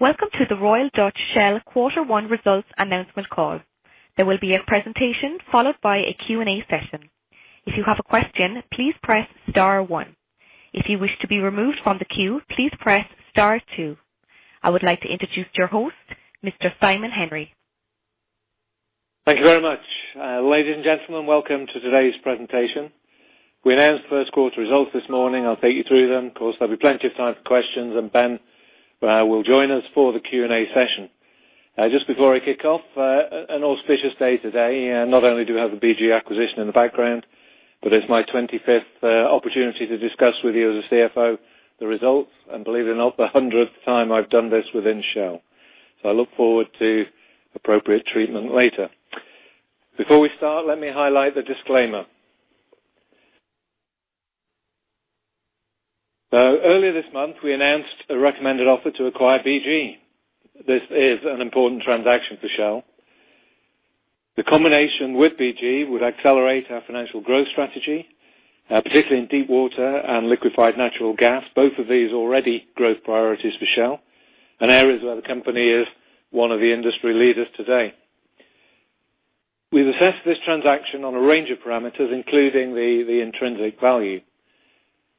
Welcome to the Royal Dutch Shell Quarter One Results Announcement Call. There will be a presentation followed by a Q&A session. If you have a question, please press star one. If you wish to be removed from the queue, please press star two. I would like to introduce your host, Mr. Simon Henry. Thank you very much. Ladies and gentlemen, welcome to today's presentation. We announced first quarter results this morning. I'll take you through them. Of course, there'll be plenty of time for questions, and Ben will join us for the Q&A session. Just before I kick off, an auspicious day today. Not only do we have the BG acquisition in the background, but it's my 25th opportunity to discuss with you as a CFO, the results, and believe it or not, the 100th time I've done this within Shell. I look forward to appropriate treatment later. Before we start, let me highlight the disclaimer. Earlier this month, we announced a recommended offer to acquire BG. This is an important transaction for Shell. The combination with BG would accelerate our financial growth strategy, particularly in deep water and liquefied natural gas. Both of these already growth priorities for Shell, and areas where the company is one of the industry leaders today. We've assessed this transaction on a range of parameters, including the intrinsic value.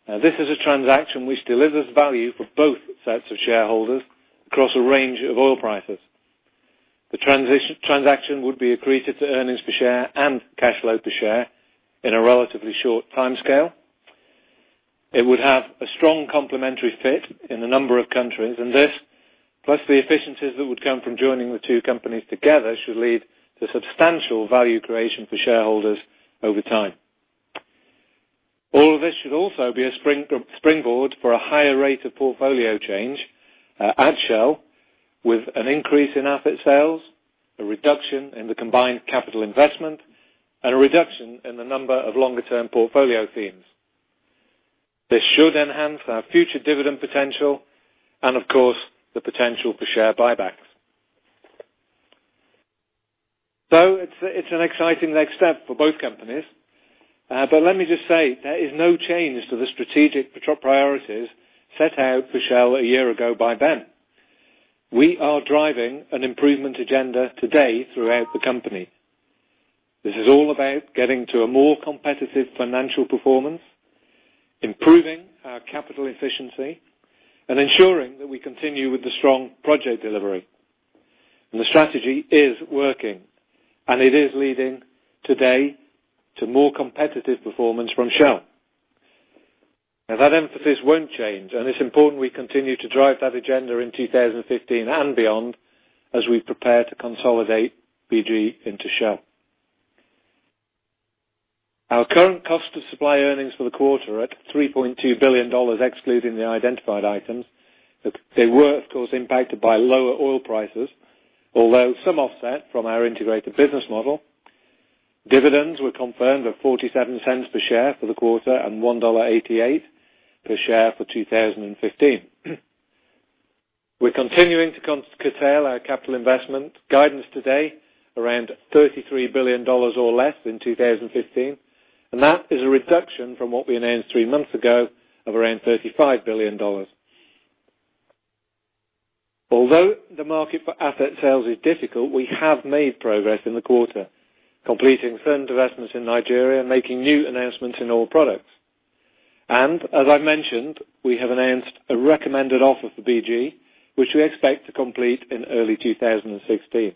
This is a transaction which delivers value for both sets of shareholders across a range of oil prices. The transaction would be accretive to earnings per share and cash flow per share in a relatively short timescale. It would have a strong complementary fit in a number of countries, and this, plus the efficiencies that would come from joining the two companies together, should lead to substantial value creation for shareholders over time. All of this should also be a springboard for a higher rate of portfolio change at Shell, with an increase in asset sales, a reduction in the combined capital investment, and a reduction in the number of longer term portfolio themes. This should enhance our future dividend potential and of course, the potential for share buybacks. It's an exciting next step for both companies. Let me just say, there is no change to the strategic priorities set out for Shell a year ago by Ben. We are driving an improvement agenda today throughout the company. This is all about getting to a more competitive financial performance, improving our capital efficiency, and ensuring that we continue with the strong project delivery. The strategy is working, and it is leading today to more competitive performance from Shell. That emphasis won't change, and it's important we continue to drive that agenda in 2015 and beyond as we prepare to consolidate BG into Shell. Our current cost of supply earnings for the quarter at $3.2 billion excluding the identified items. They were, of course, impacted by lower oil prices, although some offset from our integrated business model. Dividends were confirmed at $0.47 per share for the quarter and $1.88 per share for 2015. We're continuing to curtail our capital investment guidance today around $33 billion or less in 2015, and that is a reduction from what we announced three months ago of around $35 billion. Although the market for asset sales is difficult, we have made progress in the quarter, completing certain divestments in Nigeria, making new announcements in Oil Products. As I mentioned, we have announced a recommended offer for BG, which we expect to complete in early 2016.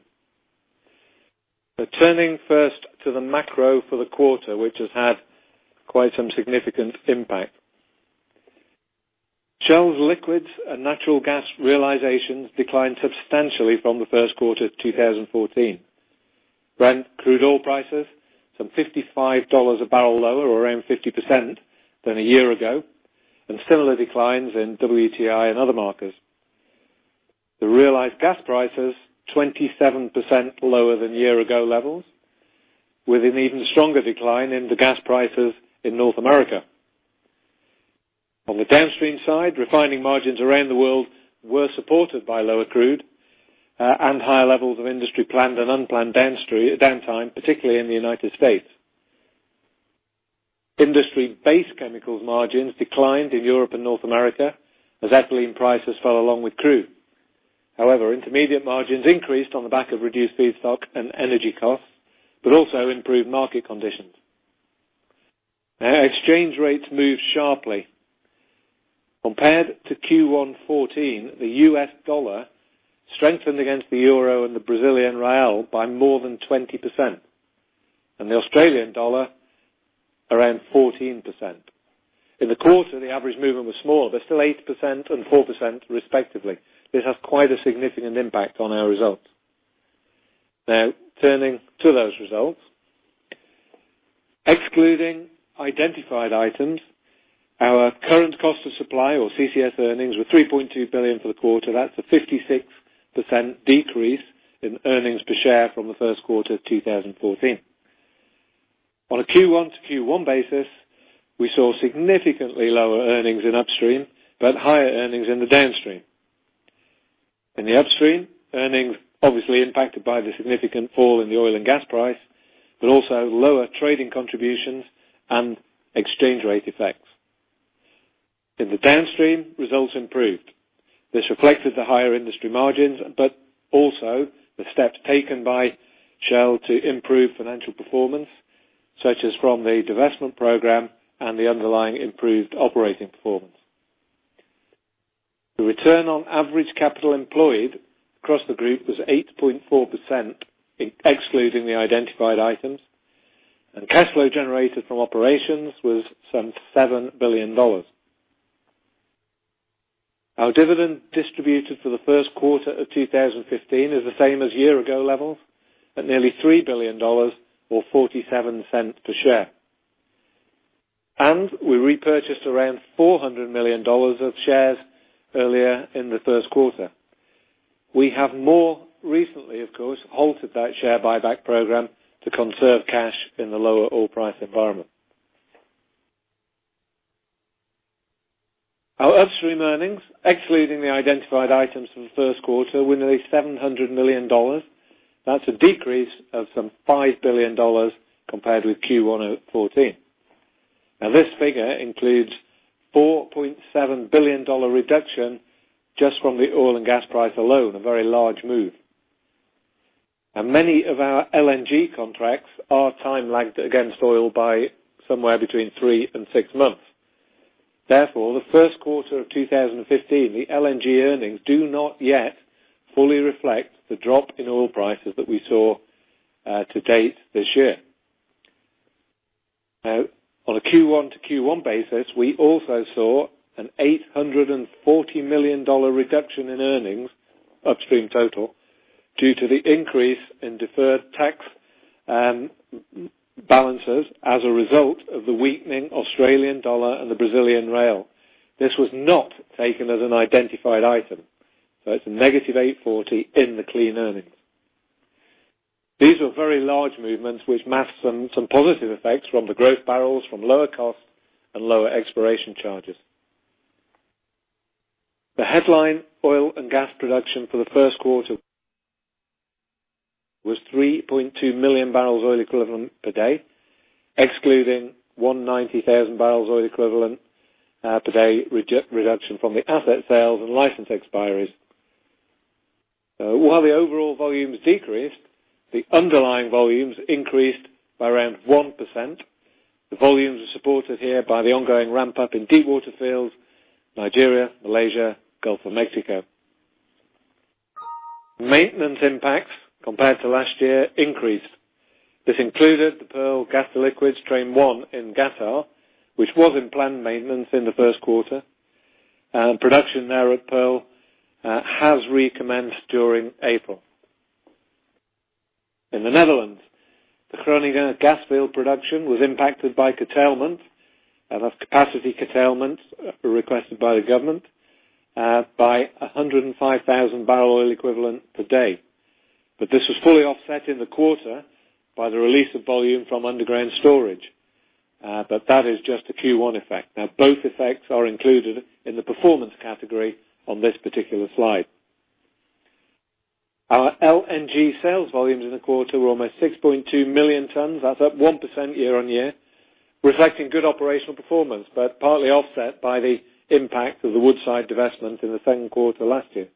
Turning first to the macro for the quarter, which has had quite some significant impact. Shell's liquids and natural gas realizations declined substantially from the first quarter of 2014. Brent crude oil prices, some $55 a barrel lower or around 50% than a year ago, similar declines in WTI and other markets. The realized gas prices, 27% lower than year ago levels, with an even stronger decline in the gas prices in North America. On the downstream side, refining margins around the world were supported by lower crude and higher levels of industry planned and unplanned downtime, particularly in the U.S. Industry-based chemicals margins declined in Europe and North America as ethylene prices fell along with crude. However, intermediate margins increased on the back of reduced feedstock and energy costs, but also improved market conditions. Exchange rates moved sharply. Compared to Q1 2014, the U.S. dollar strengthened against the EUR and the BRL by more than 20%, the AUD around 14%. In the quarter, the average movement was smaller, but still 8% and 4% respectively. This has quite a significant impact on our results. Turning to those results. Excluding identified items, our current cost of supply or CCS earnings were $3.2 billion for the quarter. That's a 56% decrease in earnings per share from the first quarter of 2014. On a Q1-to-Q1 basis, we saw significantly lower earnings in upstream, but higher earnings in the downstream. In the upstream, earnings obviously impacted by the significant fall in the oil and gas price, but also lower trading contributions and exchange rate effects. In the downstream, results improved. This reflected the higher industry margins, but also the steps taken by Shell to improve financial performance, such as from the divestment program and the underlying improved operating performance. The return on average capital employed across the group was 8.4%, excluding the identified items, cash flow generated from operations was some $7 billion. Our dividend distributed for the first quarter of 2015 is the same as year-ago levels at nearly $3 billion or $0.47 per share. We repurchased around $400 million of shares earlier in the first quarter. We have more recently, of course, halted that share buyback program to conserve cash in the lower oil price environment. Our upstream earnings, excluding the identified items for the first quarter, were nearly $700 million. That's a decrease of some $5 billion compared with Q1 2014. This figure includes $4.7 billion reduction just from the oil and gas price alone, a very large move. Many of our LNG contracts are time-lagged against oil by somewhere between three and six months. The first quarter of 2015, the LNG earnings do not yet fully reflect the drop in oil prices that we saw to date this year. On a Q1 to Q1 basis, we also saw an $840 million reduction in earnings, Upstream total, due to the increase in deferred tax balances as a result of the weakening Australian dollar and the Brazilian real. This was not taken as an identified item, so it's a negative $840 in the clean earnings. These were very large movements which masked some positive effects from the growth barrels from lower costs and lower exploration charges. The headline oil and gas production for the first quarter was 3.2 million barrels oil equivalent per day, excluding 190,000 barrels oil equivalent per day reduction from the asset sales and license expiries. While the overall volumes decreased, the underlying volumes increased by around 1%. The volumes are supported here by the ongoing ramp-up in deep water fields, Nigeria, Malaysia, Gulf of Mexico. Maintenance impacts compared to last year increased. This included the Pearl gas to liquids train 1 in Qatar, which was in planned maintenance in the first quarter. Production there at Pearl has recommenced during April. In the Netherlands, the Groningen gas field production was impacted by curtailment of capacity, curtailment requested by the government by 105,000 barrels oil equivalent per day. This was fully offset in the quarter by the release of volume from underground storage. That is just a Q1 effect. Both effects are included in the performance category on this particular slide. Our LNG sales volumes in the quarter were almost 6.2 million tons. That's up 1% year-on-year, reflecting good operational performance, but partly offset by the impact of the Woodside divestment in the second quarter last year.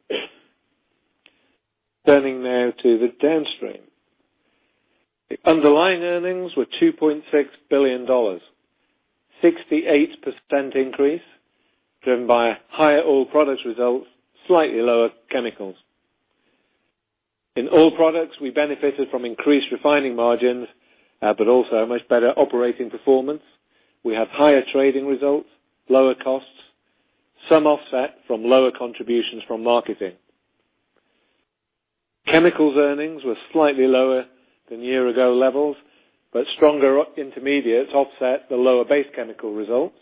Turning now to the Downstream. The underlying earnings were $2.6 billion, 68% increase driven by higher Oil Products results, slightly lower Chemicals. In Oil Products, we benefited from increased refining margins, but also a much better operating performance. We have higher trading results, lower costs, some offset from lower contributions from marketing. Chemicals earnings were slightly lower than year-ago levels, but stronger intermediates offset the lower base chemical results.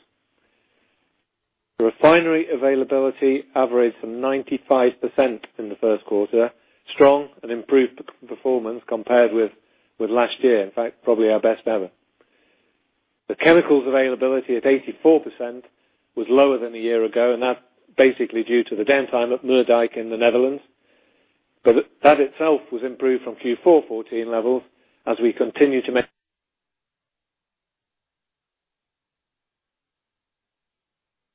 The refinery availability averaged some 95% in the first quarter, strong and improved performance compared with last year. In fact, probably our best ever. The chemicals availability at 84% was lower than a year ago, that basically due to the downtime at Moerdijk in the Netherlands. That itself was improved from Q4 2014 levels as we continue to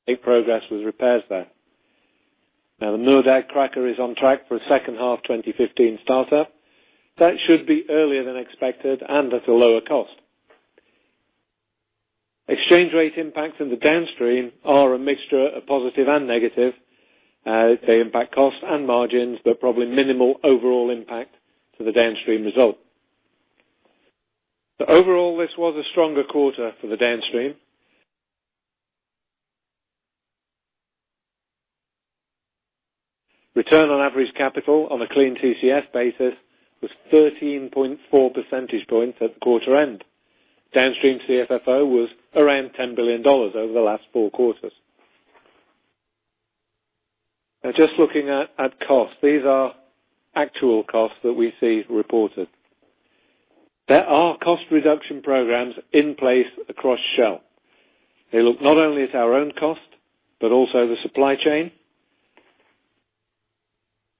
make progress with repairs there. The Moerdijk cracker is on track for a second half 2015 startup. That should be earlier than expected and at a lower cost. Exchange rate impacts in the Downstream are a mixture of positive and negative. They impact costs and margins, but probably minimal overall impact to the Downstream result. Overall, this was a stronger quarter for the Downstream. Return on average capital on a clean CCS basis was 13.4 percentage points at the quarter end. Downstream CFFO was around $10 billion over the last four quarters. Just looking at costs. These are actual costs that we see reported. There are cost reduction programs in place across Shell. They look not only at our own cost, but also the supply chain.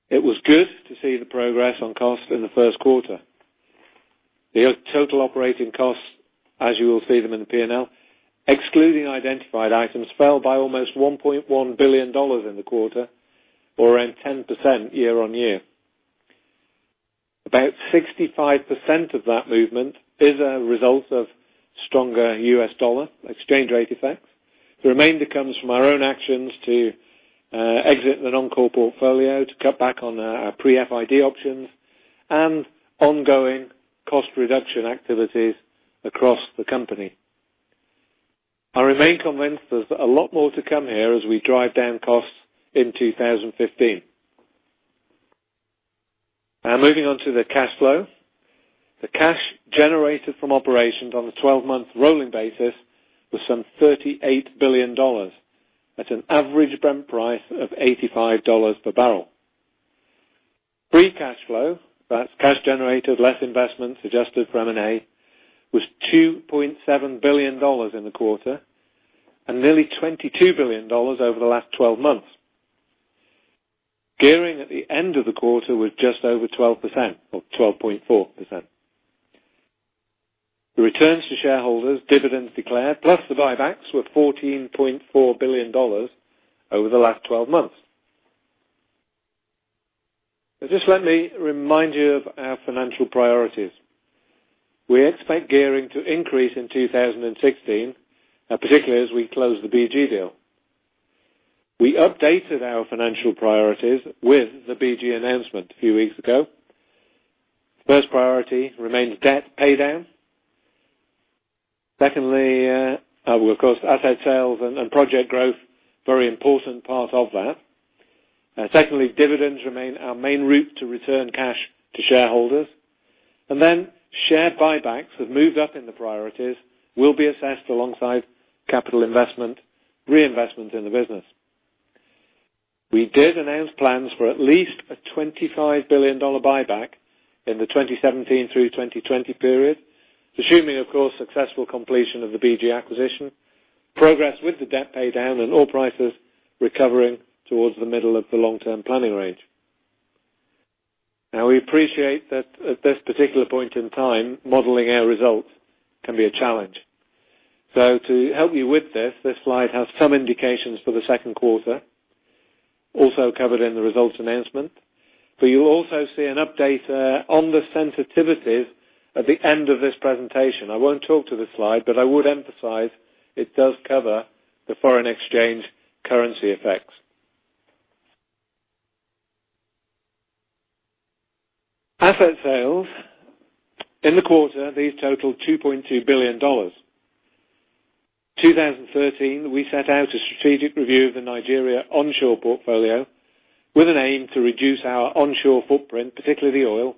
It was good to see the progress on cost in the first quarter. The total operating costs, as you will see them in the P&L, excluding identified items, fell by almost $1.1 billion in the quarter or around 10% year-on-year. About 65% of that movement is a result of stronger US dollar exchange rate effects. The remainder comes from our own actions to exit the non-core portfolio to cut back on our pre-FID options and ongoing cost reduction activities across the company. I remain convinced there's a lot more to come here as we drive down costs in 2015. Now, moving on to the cash flow. The cash generated from operations on a 12-month rolling basis was some $38 billion at an average Brent price of $85 per barrel. Free cash flow, that's cash generated less investments, adjusted for M&A, was $2.7 billion in the quarter and nearly $22 billion over the last 12 months. Gearing at the end of the quarter was just over 12% or 12.4%. The returns to shareholders, dividends declared, plus the buybacks were $14.4 billion over the last 12 months. Just let me remind you of our financial priorities. We expect gearing to increase in 2016, particularly as we close the BG deal. We updated our financial priorities with the BG announcement a few weeks ago. First priority remains debt paydown. Secondly, of course, asset sales and project growth, very important part of that. Secondly, dividends remain our main route to return cash to shareholders. Shared buybacks have moved up in the priorities, will be assessed alongside capital investment, reinvestment in the business. We did announce plans for at least a $25 billion buyback in the 2017 through 2020 period, assuming, of course, successful completion of the BG acquisition, progress with the debt paydown and oil prices recovering towards the middle of the long-term planning range. Now, we appreciate that at this particular point in time, modeling our results can be a challenge. To help you with this slide has some indications for the second quarter, also covered in the results announcement. You'll also see an update on the sensitivities at the end of this presentation. I won't talk to this slide, but I would emphasize it does cover the foreign exchange currency effects. Asset sales. In the quarter, these totaled $2.2 billion. 2013, we set out a strategic review of the Nigeria onshore portfolio with an aim to reduce our onshore footprint, particularly the oil,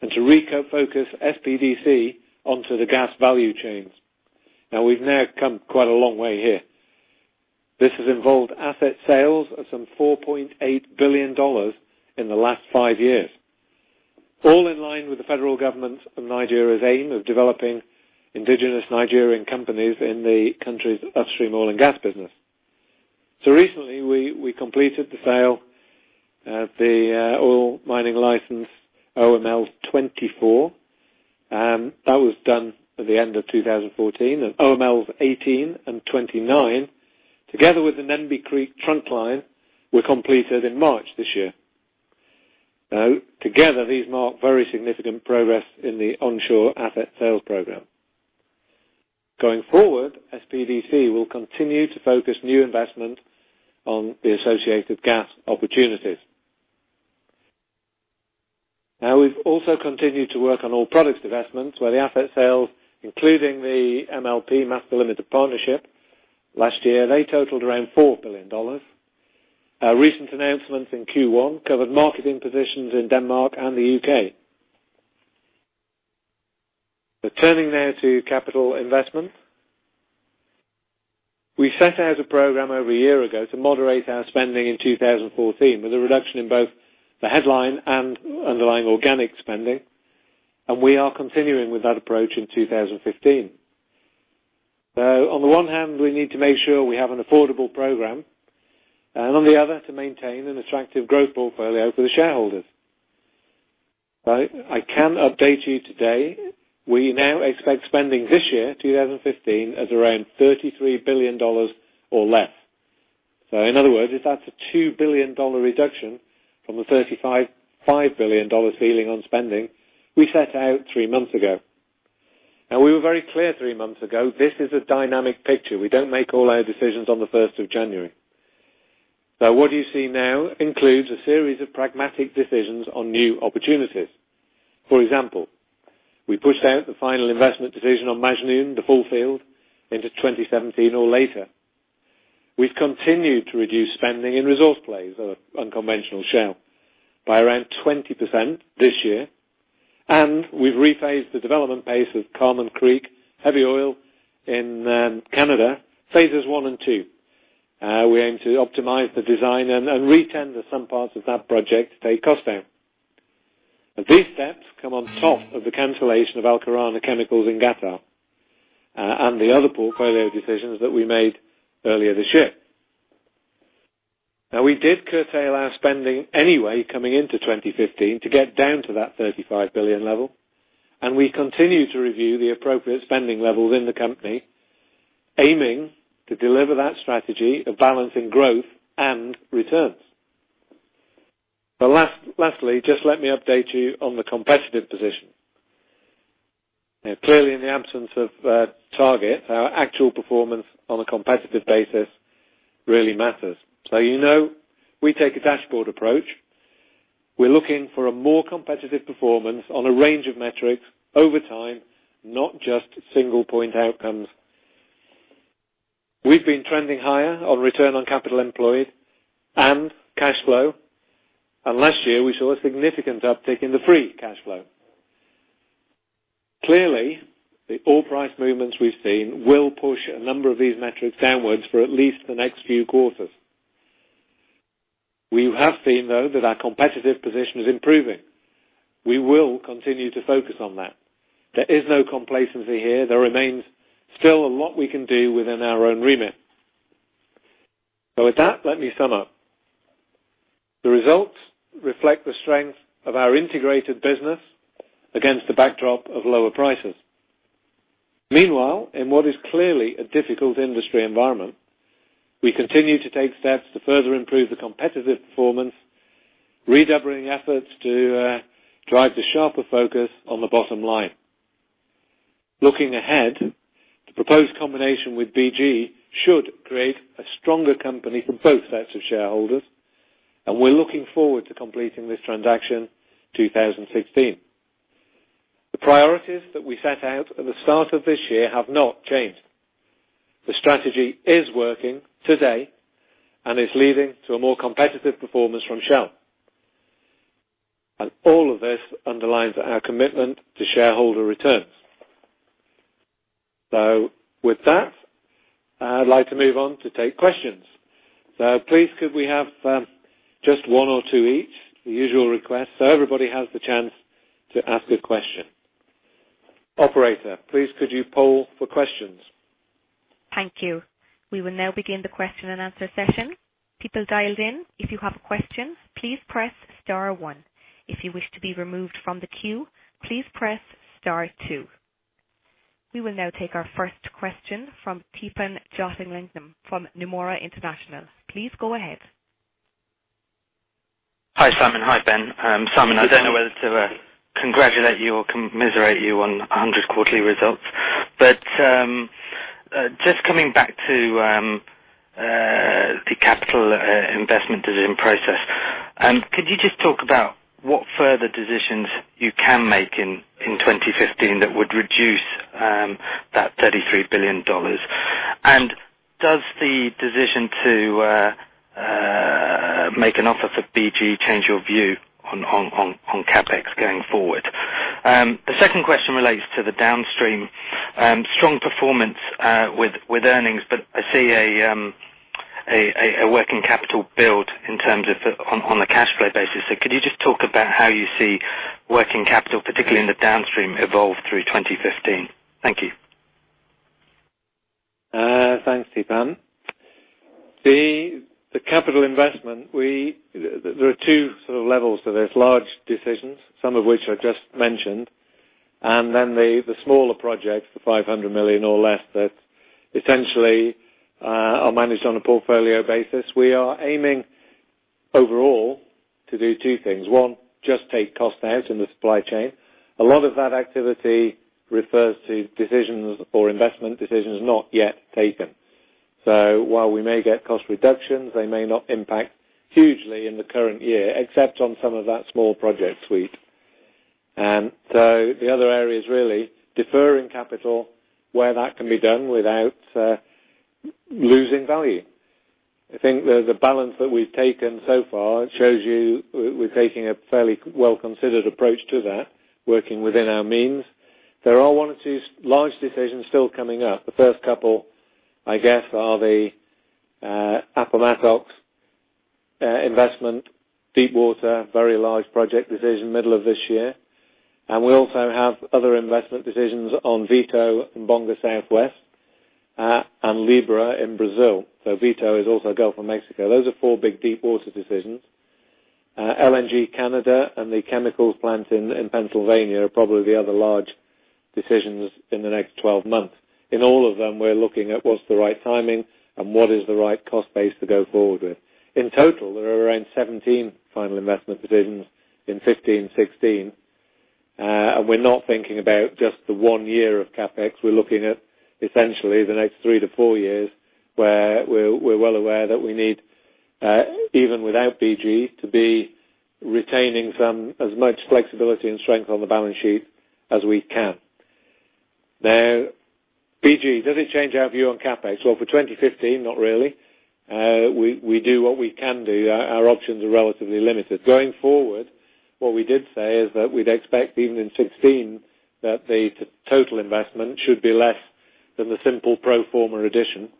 and to refocus SPDC onto the gas value chains. Now, we've now come quite a long way here. This has involved asset sales of some $4.8 billion in the last five years, all in line with the federal government of Nigeria's aim of developing indigenous Nigerian companies in the country's upstream oil and gas business. Recently, we completed the sale of the Oil Mining License, OML-24, and that was done at the end of 2014. OML-18 and 29, together with the Nembe Creek Trunk Line, were completed in March this year. Now, together, these mark very significant progress in the onshore asset sales program. Going forward, SPDC will continue to focus new investment on the associated gas opportunities. We've also continued to work on Oil Products investments where the asset sales, including the MLP, Master Limited Partnership, last year, they totaled around $4 billion. Recent announcements in Q1 covered marketing positions in Denmark and the U.K. Turning now to capital investment. We set out a program over a year ago to moderate our spending in 2014 with a reduction in both the headline and underlying organic spending, and we are continuing with that approach in 2015. On the one hand, we need to make sure we have an affordable program, and on the other, to maintain an attractive growth portfolio for the shareholders. I can update you today, we now expect spending this year, 2015, at around $33 billion or less. In other words, that's a $2 billion reduction from the $35 billion ceiling on spending we set out three months ago. We were very clear three months ago, this is a dynamic picture. We don't make all our decisions on the 1st of January. What you see now includes a series of pragmatic decisions on new opportunities. For example, we pushed out the final investment decision on Majnoon, the full field, into 2017 or later. We've continued to reduce spending in resource plays or unconventional Shell by around 20% this year, and we've rephased the development pace of Carmon Creek heavy oil in Canada, phases 1 and 2. We aim to optimize the design and re-tender some parts of that project to take costs out. These steps come on top of the cancellation of Al-Karaana Chemicals in Qatar and the other portfolio decisions that we made earlier this year. We did curtail our spending anyway coming into 2015 to get down to that $35 billion level, and we continue to review the appropriate spending levels in the company, aiming to deliver that strategy of balancing growth and returns. Lastly, just let me update you on the competitive position. Clearly, in the absence of target, our actual performance on a competitive basis really matters. You know we take a dashboard approach. We're looking for a more competitive performance on a range of metrics over time, not just single-point outcomes. We've been trending higher on return on capital employed and cash flow. Last year, we saw a significant uptick in the free cash flow. Clearly, the oil price movements we've seen will push a number of these metrics downwards for at least the next few quarters. We have seen, though, that our competitive position is improving. We will continue to focus on that. There is no complacency here. There remains still a lot we can do within our own remit. With that, let me sum up. The results reflect the strength of our integrated business against the backdrop of lower prices. Meanwhile, in what is clearly a difficult industry environment, we continue to take steps to further improve the competitive performance, redoubling efforts to drive the sharper focus on the bottom line. Looking ahead, the proposed combination with BG should create a stronger company for both sets of shareholders, and we're looking forward to completing this transaction 2016. The priorities that we set out at the start of this year have not changed. The strategy is working today and is leading to a more competitive performance from Shell. All of this underlines our commitment to shareholder returns. With that, I'd like to move on to take questions. Please could we have just one or two each? The usual request, everybody has the chance to ask a question. Operator, please could you poll for questions? Thank you. We will now begin the question and answer session. People dialed in, if you have questions, please press star 1. If you wish to be removed from the queue, please press star 2. We will now take our first question from Theepan Jothilingam from Nomura International. Please go ahead. Hi, Simon. Hi, Ben. Simon, I don't know whether to congratulate you or commiserate you on 100 quarterly results. Just coming back to the capital investment decision process, could you just talk about what further decisions you can make in 2015 that would reduce that $33 billion? Does the decision to make an offer for BG change your view on CapEx going forward? The second question relates to the downstream. Strong performance with earnings, but I see a working capital build in terms of on a cash flow basis. Could you just talk about how you see working capital, particularly in the downstream, evolve through 2015? Thank you. Thanks, Theepan. The capital investment, there are 2 levels to this. Large decisions, some of which I just mentioned, and then the smaller projects, the $500 million or less that essentially are managed on a portfolio basis. We are aiming overall to do 2 things. 1, just take cost out in the supply chain. A lot of that activity refers to decisions or investment decisions not yet taken. While we may get cost reductions, they may not impact hugely in the current year, except on some of that small project suite. The other area is really deferring capital where that can be done without losing value. I think the balance that we've taken so far shows you we're taking a fairly well-considered approach to that, working within our means. There are one or two large decisions still coming up. The first couple, I guess, are the Appomattox investment, deep water, very large project decision, middle of this year. We also have other investment decisions on Vito and Bonga Southwest, and Libra in Brazil. Vito is also Gulf of Mexico. Those are four big deep water decisions. LNG Canada and the chemicals plant in Pennsylvania are probably the other large decisions in the next 12 months. In all of them, we're looking at what's the right timing and what is the right cost base to go forward with. In total, there are around 17 final investment decisions in 2015, 2016. We're not thinking about just the one year of CapEx. We're looking at essentially the next three to four years, where we're well aware that we need, even without BG, to be retaining as much flexibility and strength on the balance sheet as we can. BG, does it change our view on CapEx? Well, for 2015, not really. We do what we can do. Our options are relatively limited. Going forward, what we did say is that we'd expect even in 2016, that the total investment should be less than the simple pro forma addition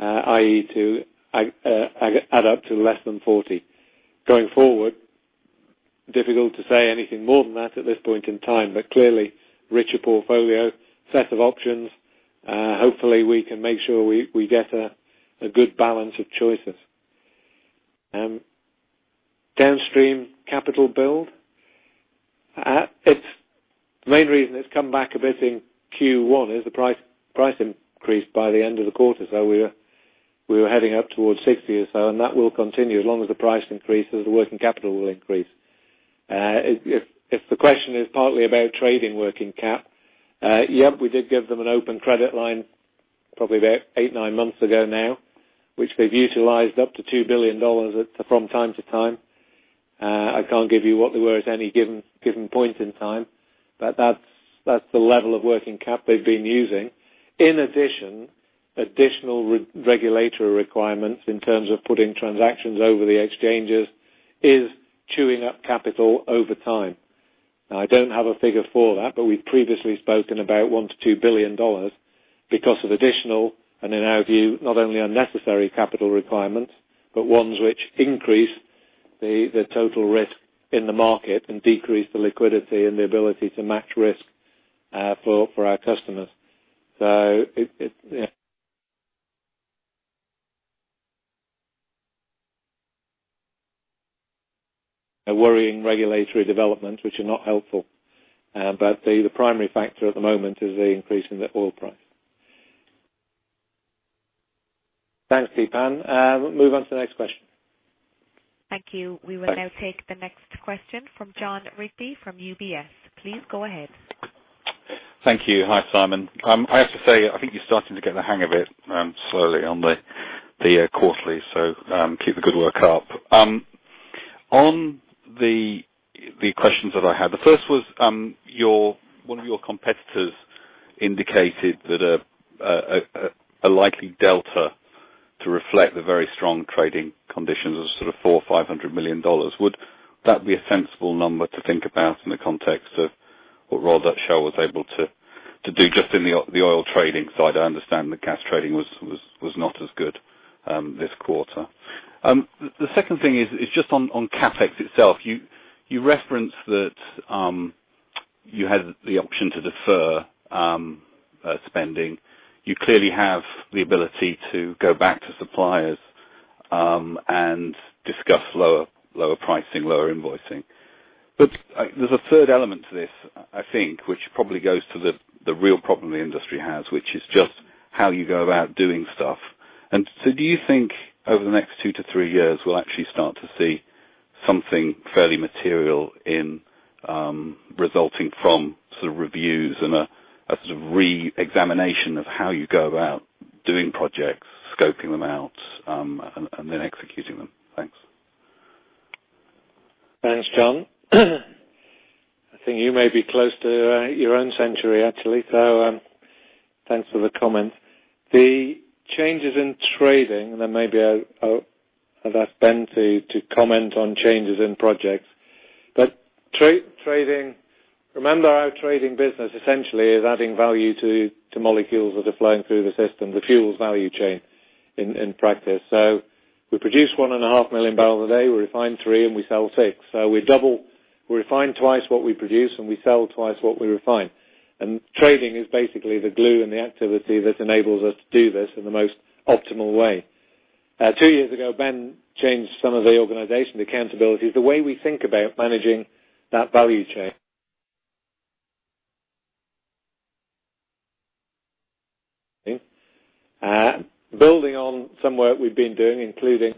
i.e., to add up to less than 40. Going forward, difficult to say anything more than that at this point in time, but clearly, richer portfolio, set of options. Hopefully, we can make sure we get a good balance of choices. Downstream capital build. The main reason it's come back a bit in Q1 is the price increase by the end of the quarter. We were heading up towards 60 or so, and that will continue. As long as the price increases, the working capital will increase. If the question is partly about trading working cap, yep, we did give them an open credit line probably about eight, nine months ago now, which they've utilized up to $2 billion from time to time. I can't give you what they were at any given point in time, but that's the level of working cap they've been using. In addition, additional regulatory requirements in terms of putting transactions over the exchanges is chewing up capital over time. I don't have a figure for that, but we've previously spoken about $1 billion to $2 billion because of additional, and in our view, not only unnecessary capital requirements, but ones which increase the total risk in the market and decrease the liquidity and the ability to match risk for our customers. It A worrying regulatory development, which are not helpful. The primary factor at the moment is the increase in the oil price. Thanks, Theepan. Move on to the next question. Thank you. Thanks. We will now take the next question from Jon Rigby from UBS. Please go ahead. Thank you. Hi, Simon. I have to say, I think you're starting to get the hang of it slowly on the quarterly. Keep the good work up. On the questions that I had, the first was, one of your competitors indicated that a likely delta to reflect the very strong trading conditions of $400 or $500 million. Would that be a sensible number to think about in the context of what Royal Dutch Shell was able to do just in the oil trading side? I understand the gas trading was not as good this quarter. The second thing is just on CapEx itself. You referenced that you had the option to defer spending. You clearly have the ability to go back to suppliers and discuss lower pricing, lower invoicing. There's a third element to this, I think, which probably goes to the real problem the industry has, which is just how you go about doing stuff. Do you think over the next two to three years, we'll actually start to see something fairly material in resulting from reviews and a re-examination of how you go about doing projects, scoping them out, and then executing them? Thanks. Thanks, Jon. I think you may be close to your own century, actually. Thanks for the comment. The changes in trading. Then maybe I'll ask Ben to comment on changes in projects. Trading, remember our trading business essentially is adding value to molecules that are flowing through the system, the fuels value chain in practice. We produce 1.5 million barrels a day, we refine three, and we sell six. We refine twice what we produce, and we sell twice what we refine. Trading is basically the glue and the activity that enables us to do this in the most optimal way. Two years ago, Ben changed some of the organization accountability. The way we think about managing that value chain. Building on some work we've been doing, including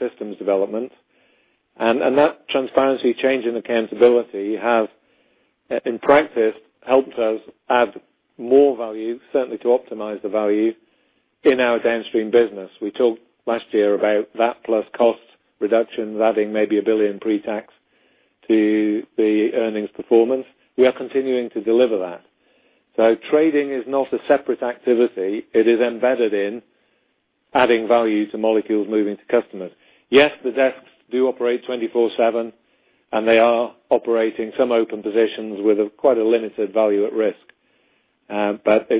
systems development, and that transparency change in accountability have, in practice, helped us add more value, certainly to optimize the value in our downstream business. We talked last year about that plus cost reductions, adding maybe $1 billion pre-tax to the earnings performance. We are continuing to deliver that. Trading is not a separate activity. It is embedded in adding value to molecules moving to customers. Yes, the desks do operate 24/7, and they are operating some open positions with quite a limited value at risk.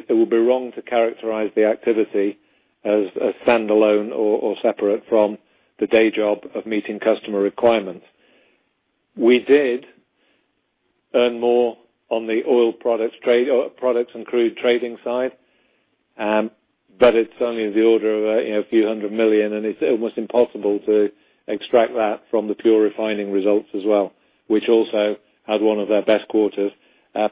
It would be wrong to characterize the activity as a standalone or separate from the day job of meeting customer requirements. We did earn more on the oil products and crude trading side, but it's only in the order of a few hundred million, and it's almost impossible to extract that from the pure refining results as well, which also had one of their best quarters,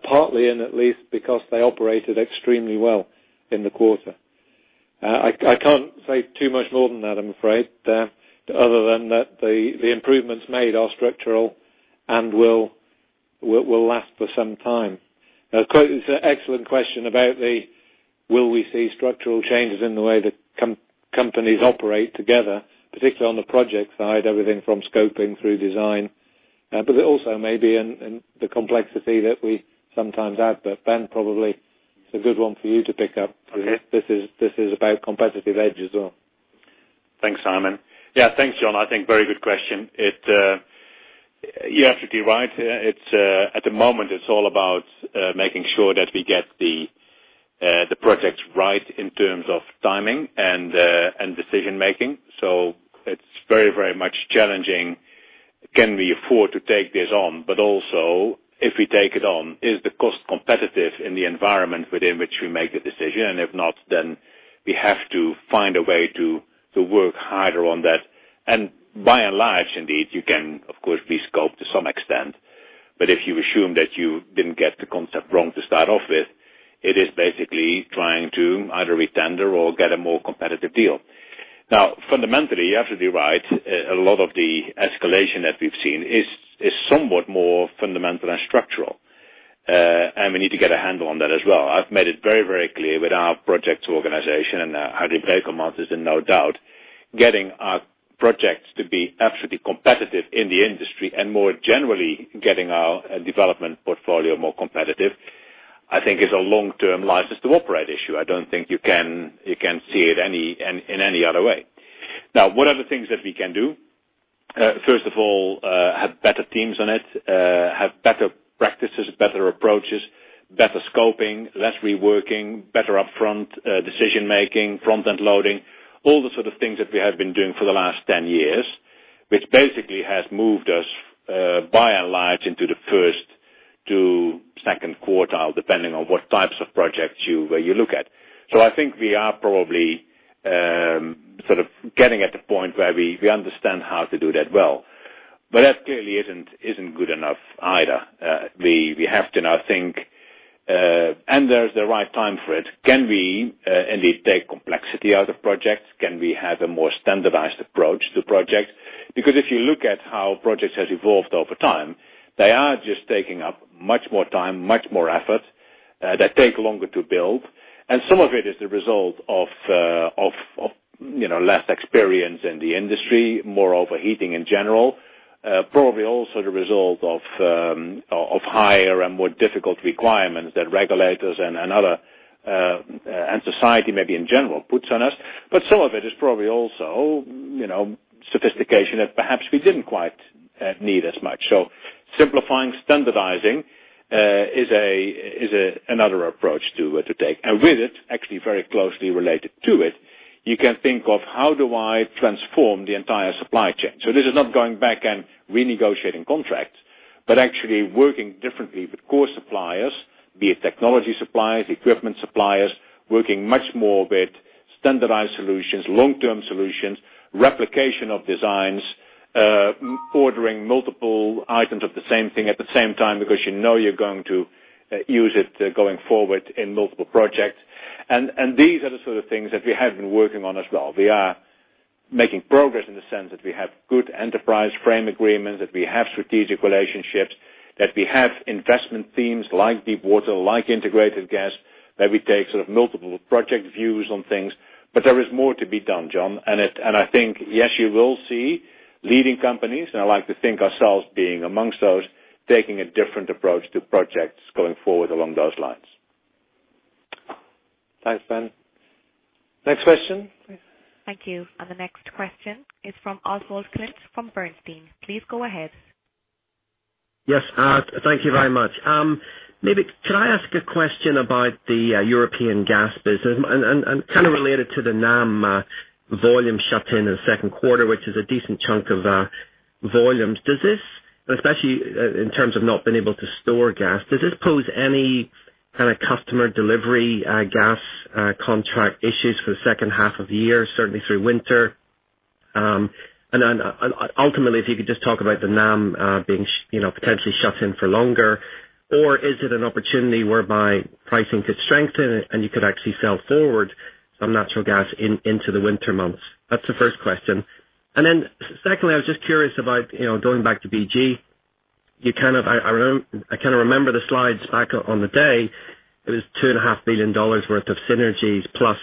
partly in at least because they operated extremely well in the quarter. I can't say too much more than that, I'm afraid. Other than that the improvements made are structural and will last for some time. It's an excellent question about the will we see structural changes in the way that companies operate together, particularly on the project side, everything from scoping through design. It also may be in the complexity that we sometimes have. Ben, probably it's a good one for you to pick up. Okay. This is about competitive edge as well. Thanks, Simon. Yeah, thanks, Jon. I think very good question. You're absolutely right. At the moment, it's all about making sure that we get the projects right in terms of timing and decision making. It's very much challenging. Can we afford to take this on? Also, if we take it on, is the cost competitive in the environment within which we make the decision? If not, then we have to find a way to work harder on that. By and large, indeed, you can, of course, rescope to some extent. If you assume that you didn't get the concept wrong to start off with, it is basically trying to either retender or get a more competitive deal. Fundamentally, you have to be right. A lot of the escalation that we've seen is somewhat more fundamental and structural. We need to get a handle on that as well. I've made it very clear with our project organization, and Henriette Snedker Nielsen is in no doubt, getting our projects to be absolutely competitive in the industry, and more generally, getting our development portfolio more competitive, I think is a long-term license to operate issue. I don't think you can see it in any other way. What are the things that we can do? First of all, have better teams on it, have better practices, better approaches, better scoping, less reworking, better upfront decision making, front-end loading, all the sort of things that we have been doing for the last 10 years, which basically has moved us, by and large, into the first to second quartile, depending on what types of projects you look at. I think we are probably sort of getting at the point where we understand how to do that well. That clearly isn't good enough either. We have to now think, and there's the right time for it. Can we indeed take complexity out of projects? Can we have a more standardized approach to projects? If you look at how projects have evolved over time, they are just taking up much more time, much more effort. They take longer to build, and some of it is the result of less experience in the industry, more overheating in general. Probably also the result of higher and more difficult requirements that regulators and society maybe in general puts on us. Some of it is probably also sophistication that perhaps we didn't quite need as much. Simplifying, standardizing is another approach to take. With it, actually very closely related to it, you can think of how do I transform the entire supply chain. This is not going back and renegotiating contracts, but actually working differently with core suppliers, be it technology suppliers, equipment suppliers, working much more with standardized solutions, long-term solutions, replication of designs, ordering multiple items of the same thing at the same time, because you know you're going to use it going forward in multiple projects. These are the sort of things that we have been working on as well. We are making progress in the sense that we have good enterprise frame agreements, that we have strategic relationships, that we have investment themes like deep water, like integrated gas, that we take sort of multiple project views on things. There is more to be done, Jon. I think, yes, you will see leading companies, and I like to think ourselves being amongst those, taking a different approach to projects going forward along those lines. Thanks, Ben. Next question. Thank you. The next question is from Oswald Clint from Bernstein. Please go ahead. Yes. Thank you very much. Maybe, can I ask a question about the European gas business and kind of related to the NAM volume shut in the second quarter, which is a decent chunk of volumes. Especially in terms of not being able to store gas, does this pose any kind of customer delivery gas contract issues for the second half of the year, certainly through winter? Ultimately, if you could just talk about the NAM being potentially shut in for longer, or is it an opportunity whereby pricing could strengthen and you could actually sell forward some natural gas into the winter months? That's the first question. Secondly, I was just curious about going back to BG. I kind of remember the slides back on the day. It was $2.5 billion worth of synergies plus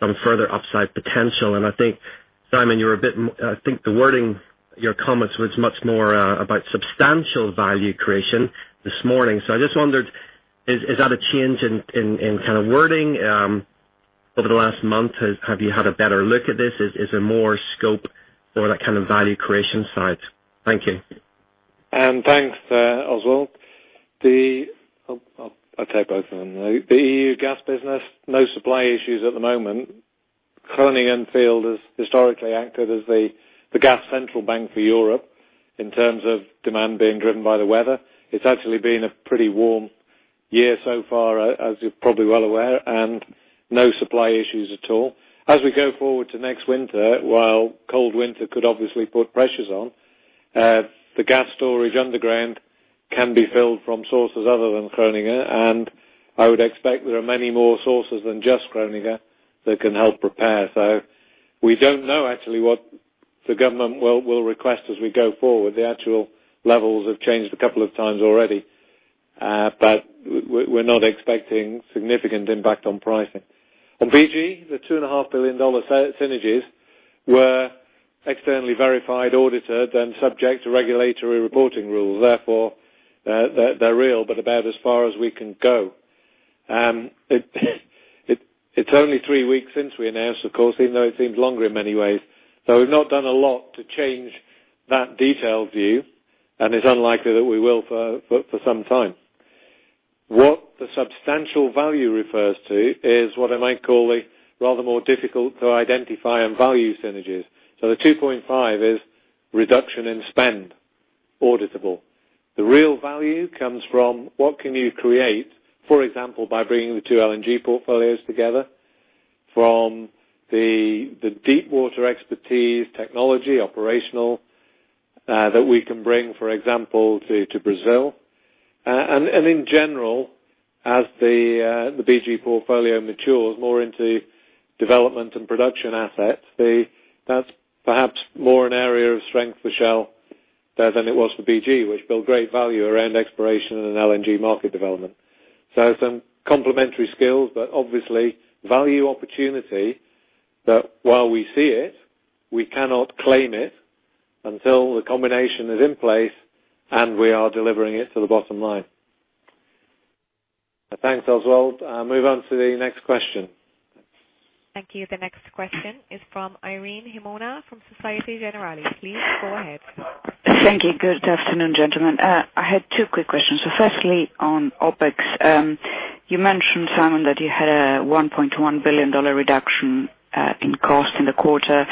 some further upside potential. I think, Simon, I think the wording your comments was much more about substantial value creation this morning. I just wondered, is that a change in kind of wording over the last month? Have you had a better look at this? Is there more scope for that kind of value creation side? Thank you. Thanks, Oswald. I'll take both of them. The EU gas business, no supply issues at the moment. Groningen Field has historically acted as the gas central bank for Europe in terms of demand being driven by the weather. It's actually been a pretty warm year so far, as you're probably well aware, and no supply issues at all. As we go forward to next winter, while cold winter could obviously put pressures on, the gas storage underground can be filled from sources other than Groningen, and I would expect there are many more sources than just Groningen that can help prepare. We don't know actually what the government will request as we go forward. The actual levels have changed a couple of times already. We're not expecting significant impact on pricing. On BG, the $2.5 billion synergies were externally verified, audited, then subject to regulatory reporting rules. Therefore, they're real, but about as far as we can go. It's only three weeks since we announced, of course, even though it seems longer in many ways. We've not done a lot to change that detailed view, and it's unlikely that we will for some time. What the substantial value refers to is what I might call the rather more difficult to identify and value synergies. The 2.5 is reduction in spend, auditable. The real value comes from what can you create, for example, by bringing the two LNG portfolios together. From the deep water expertise technology operational that we can bring, for example, to Brazil. In general, as the BG portfolio matures more into development and production assets, that's perhaps more an area of strength for Shell than it was for BG, which built great value around exploration and LNG market development. Some complementary skills, but obviously value opportunity that while we see it, we cannot claim it until the combination is in place and we are delivering it to the bottom line. Thanks, Oswald. Move on to the next question. Thank you. The next question is from Irene Himona from Societe Generale. Please go ahead. Thank you. Good afternoon, gentlemen. Firstly, on OpEx. You mentioned, Simon, that you had a $1.1 billion reduction in cost in the quarter,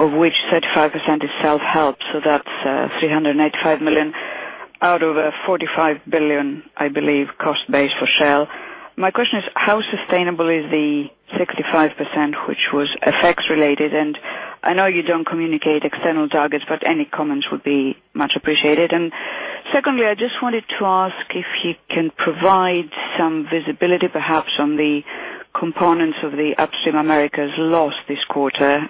of which 35% is self-help, so that's $385 million out of $45 billion, I believe, cost base for Shell. My question is how sustainable is the 65%, which was effects related? I know you don't communicate external targets, but any comments would be much appreciated. Secondly, I just wanted to ask if you can provide some visibility, perhaps on the components of the Upstream America's loss this quarter.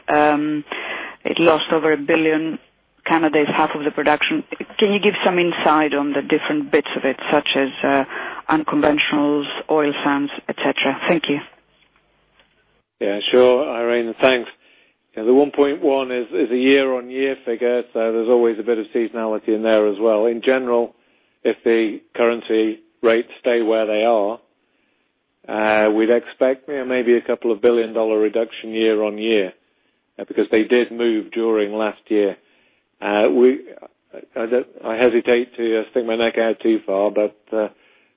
It lost over $1 billion, Canada is half of the production. Can you give some insight on the different bits of it, such as unconventionals, oil sands, et cetera? Thank you. Sure, Irene. Thanks. The $1.1 billion is a year-on-year figure, so there's always a bit of seasonality in there as well. In general, if the currency rates stay where they are, we'd expect maybe a couple of billion-dollar reduction year on year, because they did move during last year. I hesitate to stick my neck out too far, but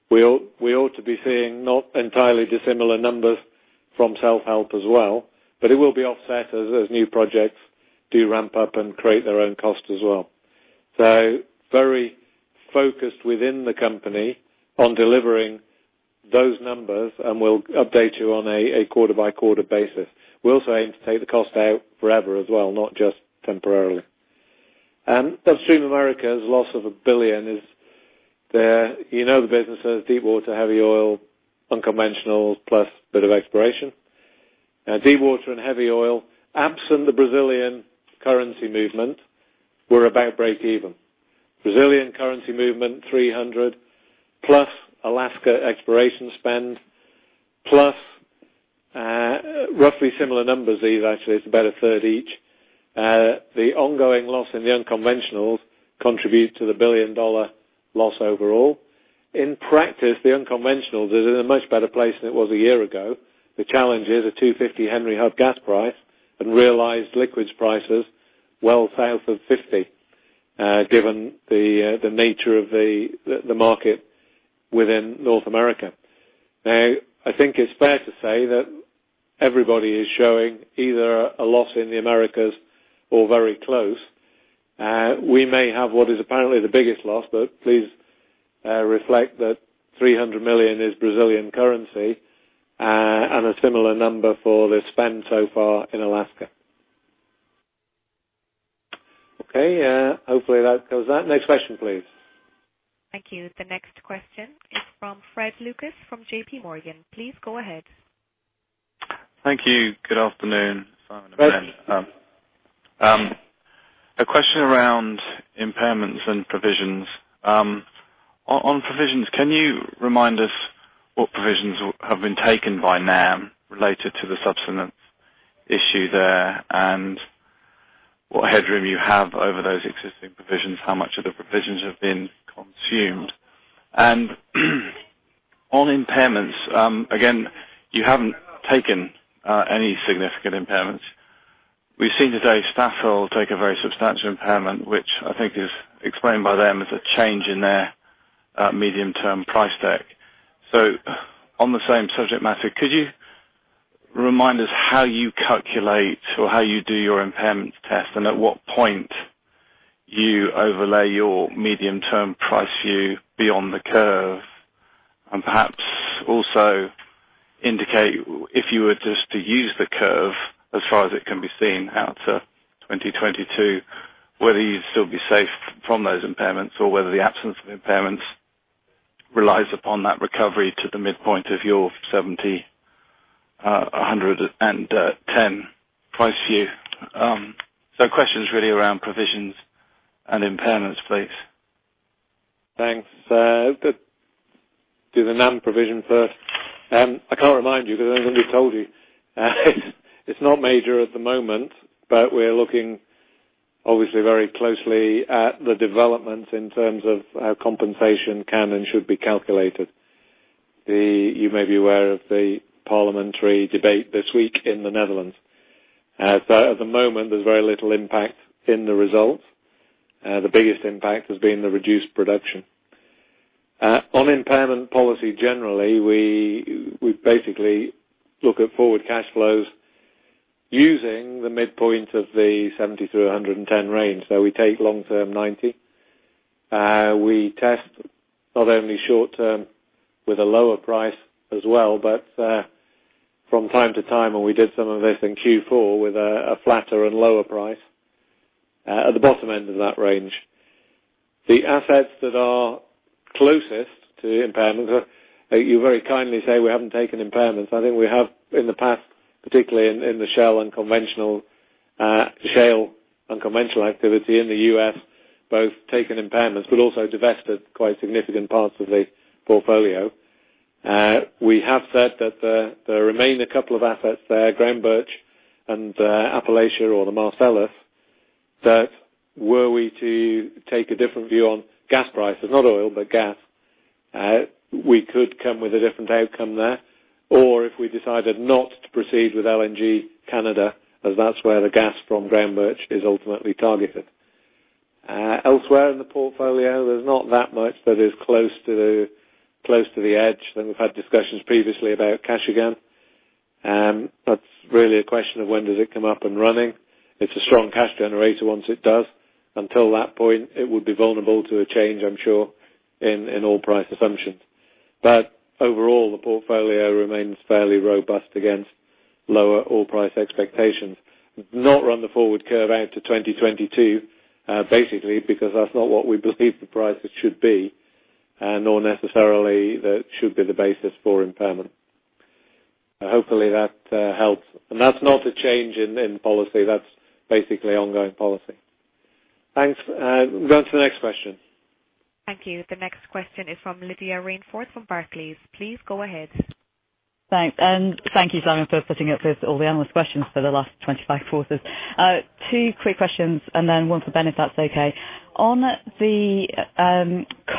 we ought to be seeing not entirely dissimilar numbers from self-help as well, but it will be offset as new projects do ramp up and create their own cost as well. Very focused within the company on delivering those numbers, and we'll update you on a quarter-by-quarter basis. We also aim to take the cost out forever as well, not just temporarily. Upstream America's loss of $1 billion is there. You know the business as deep water, heavy oil, unconventional, plus a bit of exploration. Deep water and heavy oil, absent the Brazilian currency movement, we're about breakeven. Brazilian currency movement 300 million, plus Alaska exploration spend, plus roughly similar numbers, actually, it's about a third each. The ongoing loss in the unconventionals contribute to the $1 billion loss overall. In practice, the unconventionals is in a much better place than it was a year ago. The challenge is a 250 Henry Hub gas price and realized liquids prices well south of $50, given the nature of the market within North America. I think it's fair to say that everybody is showing either a loss in the Americas or very close. We may have what is apparently the biggest loss, but please reflect that 300 million is Brazilian currency and a similar number for the spend so far in Alaska. Okay, hopefully that covers that. Next question, please. Thank you. The next question is from Fred Lucas from J.P. Morgan. Please go ahead. Thank you. Good afternoon, Simon and Ben. Fred. A question around impairments and provisions. On provisions, can you remind us what provisions have been taken by NAM related to the subsidence issue there and what headroom you have over those existing provisions? How much of the provisions have been consumed? On impairments, again, you haven't taken any significant impairments. We've seen today Statoil take a very substantial impairment, which I think is explained by them as a change in their medium-term price deck. On the same subject matter, could you remind us how you calculate or how you do your impairment test and at what point you overlay your medium-term price view beyond the curve, and perhaps also indicate if you were just to use the curve as far as it can be seen out to 2022, whether you'd still be safe from those impairments or whether the absence of impairments relies upon that recovery to the midpoint of your $70-$110 price view? Questions really around provisions and impairments, please. Thanks. Do the NAM provision first. I can't remind you because I don't think we told you. It's not major at the moment. We're looking obviously very closely at the developments in terms of how compensation can and should be calculated. You may be aware of the parliamentary debate this week in the Netherlands. At the moment, there's very little impact in the results. The biggest impact has been the reduced production. On impairment policy generally, we basically look at forward cash flows using the midpoint of the 70 through 110 range. We take long-term 90. We test not only short-term with a lower price as well, but from time to time, and we did some of this in Q4 with a flatter and lower price at the bottom end of that range. The assets that are closest to the impairment are, you very kindly say we haven't taken impairments. I think we have in the past, particularly in the shale and conventional activity in the U.S., both taken impairments but also divested quite significant parts of the portfolio. We have said that there remain a couple of assets there, Groundbirch and Appalachia or the Marcellus, that were we to take a different view on gas prices, not oil, but gas, we could come with a different outcome there. Or if we decided not to proceed with LNG Canada, as that's where the gas from Groundbirch is ultimately targeted. Elsewhere in the portfolio, there's not that much that is close to the edge. We've had discussions previously about Kashagan. That's really a question of when does it come up and running. It's a strong cash generator once it does. Until that point, it would be vulnerable to a change, I'm sure, in oil price assumptions. Overall, the portfolio remains fairly robust against lower oil price expectations. Not run the forward curve out to 2022, basically because that's not what we believe the prices should be, nor necessarily that should be the basis for impairment. Hopefully, that helps. That's not a change in policy. That's basically ongoing policy. Thanks. We'll go on to the next question. Thank you. The next question is from Lydia Rainforth from Barclays. Please go ahead. Thanks. Thank you, Simon, for putting up with all the analyst questions for the last 25 quarters. Two quick questions, then one for Ben, if that's okay. On the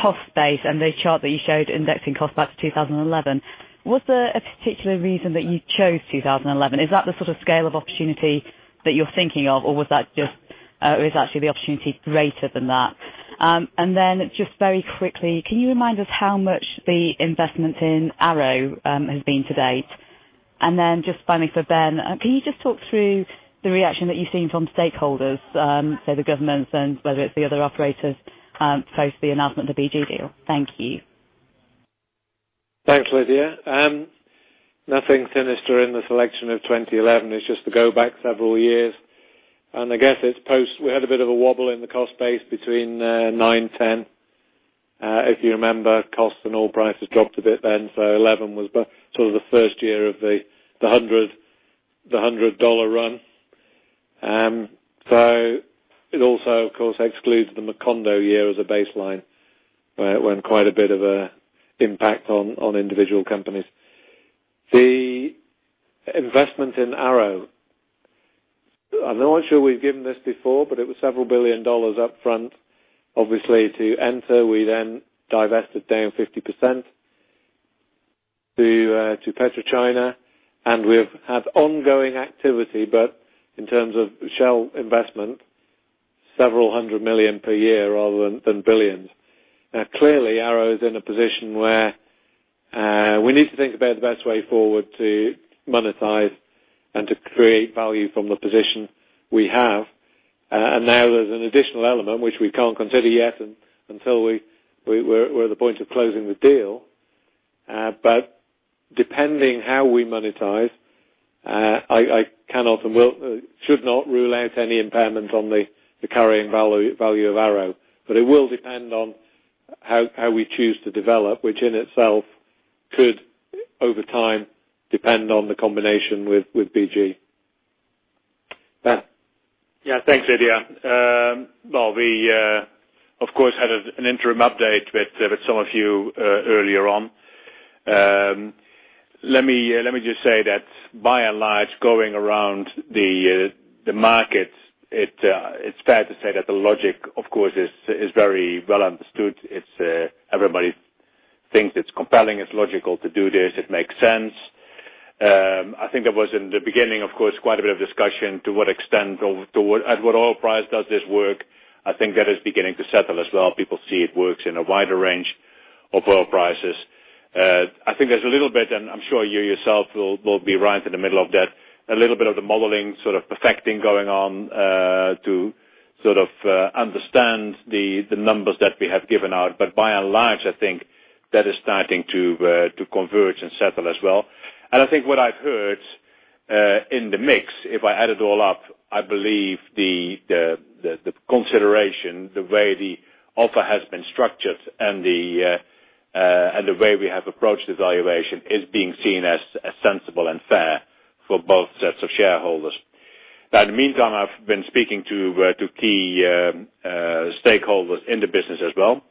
cost base and the chart that you showed indexing cost back to 2011, was there a particular reason that you chose 2011? Is that the sort of scale of opportunity that you're thinking of, or is actually the opportunity greater than that? Just very quickly, can you remind us how much the investment in Arrow has been to date? Just finally for Ben, can you just talk through the reaction that you've seen from stakeholders, say the governments and whether it's the other operators post the announcement of the BG deal? Thank you. Thanks, Lydia. Nothing sinister in the selection of 2011. It's just to go back several years. I guess it's post, we had a bit of a wobble in the cost base between 2009, 2010. If you remember, cost and oil prices dropped a bit then, 2011 was sort of the first year of the $100 run. It also, of course, excludes the Macondo year as a baseline, when quite a bit of impact on individual companies. The investment in Arrow. I'm not sure we've given this before, but it was several billion dollars up front, obviously, to enter. We then divested down 50% to PetroChina, and we've had ongoing activity, but in terms of Shell investment, several hundred million per year rather than billions. Clearly, Arrow is in a position where we need to think about the best way forward to monetize and to create value from the position we have. Now there's an additional element which we can't consider yet until we're at the point of closing the deal. Depending how we monetize, I cannot and should not rule out any impairment on the carrying value of Arrow. It will depend on how we choose to develop, which in itself could, over time, depend on the combination with BG. Ben? Thanks, Lydia. We, of course, had an interim update with some of you earlier on. Let me just say that by and large, going around the markets, it's fair to say that the logic, of course, is very well understood. Everybody thinks it's compelling, it's logical to do this. It makes sense. I think there was in the beginning, of course, quite a bit of discussion to what extent or at what oil price does this work? I think that is beginning to settle as well. People see it works in a wider range of oil prices. I think there's a little bit, and I'm sure you yourself will be right in the middle of that, a little bit of the modeling sort of perfecting going on to sort of understand the numbers that we have given out. By and large, I think that is starting to converge and settle as well. I think what I've heard in the mix, if I add it all up, I believe the consideration, the way the offer has been structured and the way we have approached the valuation is being seen as sensible and fair for both sets of shareholders. In the meantime, I've been speaking to key stakeholders in the business as well.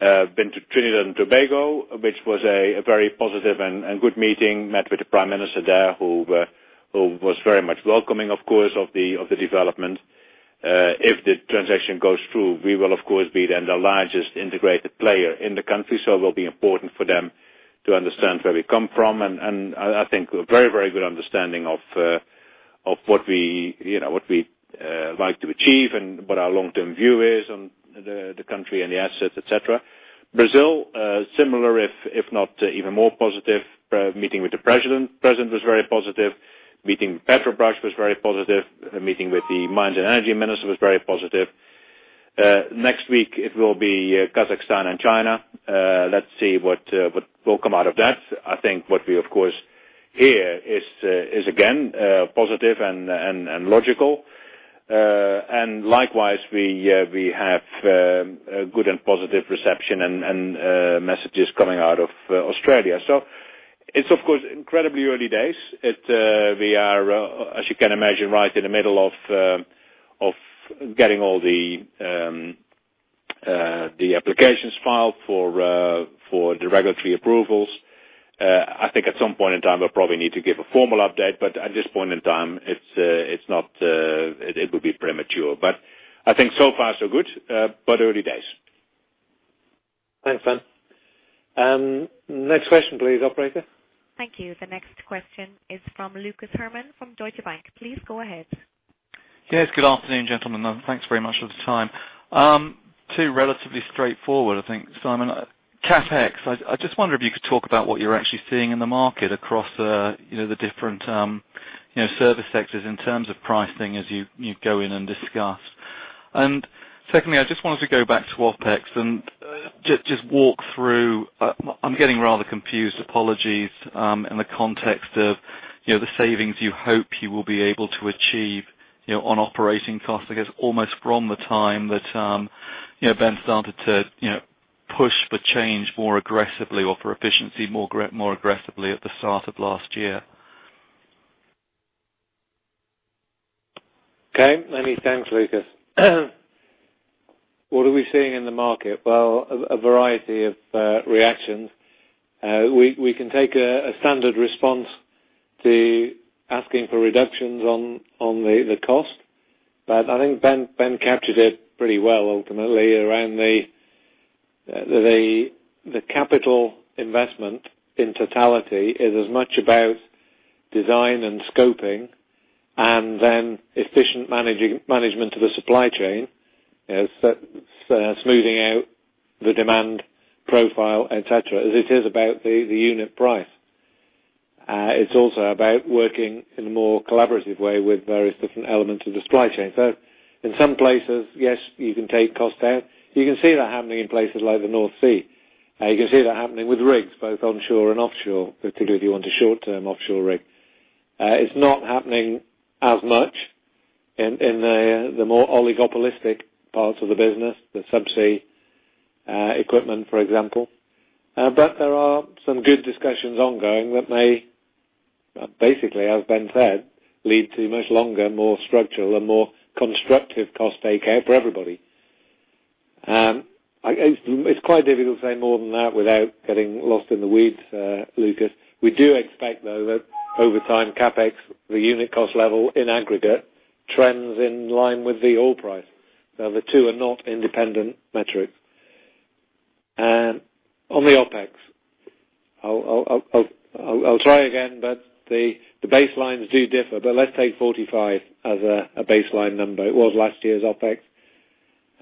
I've been to Trinidad and Tobago, which was a very positive and good meeting. Met with the prime minister there, who was very much welcoming, of course, of the development. If the transaction goes through, we will, of course, be then the largest integrated player in the country. It will be important for them to understand where we come from. I think a very, very good understanding of what we like to achieve and what our long-term view is on the country and the assets, et cetera. Brazil, similar, if not even more positive. Meeting with the president was very positive. Meeting Petrobras was very positive. A meeting with the Mines and Energy Minister was very positive. Next week it will be Kazakhstan and China. Let's see what will come out of that. I think what we, of course, hear is, again, positive and logical. Likewise, we have good and positive reception and messages coming out of Australia. It's, of course, incredibly early days. We are, as you can imagine, right in the middle of getting all the applications filed for the regulatory approvals. I think at some point in time, we'll probably need to give a formal update, at this point in time, it would be premature. I think so far so good. Early days. Thanks, Ben. Next question, please, operator. Thank you. The next question is from Lucas Herrmann from Deutsche Bank. Please go ahead. Yes. Good afternoon, gentlemen. Thanks very much for the time. Two relatively straightforward, I think, Simon. CapEx, I just wonder if you could talk about what you're actually seeing in the market across the different service sectors in terms of pricing as you go in and discuss. Secondly, I just wanted to go back to OpEx and just walk through. I'm getting rather confused, apologies, in the context of the savings you hope you will be able to achieve on operating costs, I guess almost from the time that Ben started to push for change more aggressively or for efficiency more aggressively at the start of last year. Okay. Many thanks, Lucas. What are we seeing in the market? Well, a variety of reactions. We can take a standard response to asking for reductions on the cost. I think Ben captured it pretty well ultimately around the capital investment in totality is as much about design and scoping and then efficient management of the supply chain, smoothing out the demand profile, et cetera, as it is about the unit price. It's also about working in a more collaborative way with various different elements of the supply chain. In some places, yes, you can take cost out. You can see that happening in places like the North Sea. You can see that happening with rigs, both onshore and offshore, particularly if you want a short-term offshore rig. It's not happening as much in the more oligopolistic parts of the business, the subsea equipment, for example. There are some good discussions ongoing that may basically, as Ben said, lead to much longer, more structural and more constructive cost takeout for everybody. It's quite difficult to say more than that without getting lost in the weeds, Lucas. We do expect, though, that over time, CapEx, the unit cost level in aggregate trends in line with the oil price. The two are not independent metrics. On the OpEx. I'll try again, but the baselines do differ. Let's take $45 as a baseline number. It was last year's OpEx,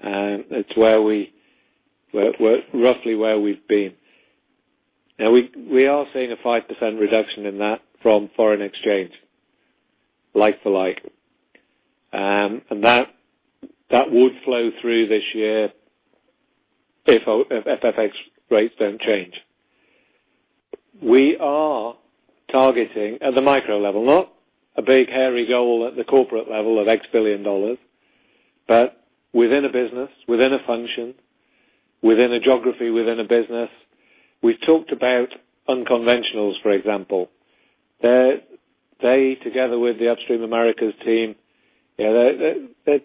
and it's roughly where we've been. Now, we are seeing a 5% reduction in that from foreign exchange, like to like. That would flow through this year if FX rates don't change. We are targeting at the micro level, not a big, hairy goal at the corporate level of $X billion, but within a business, within a function, within a geography, within a business. We've talked about unconventionals, for example. They, together with the Upstream Americas team, they know they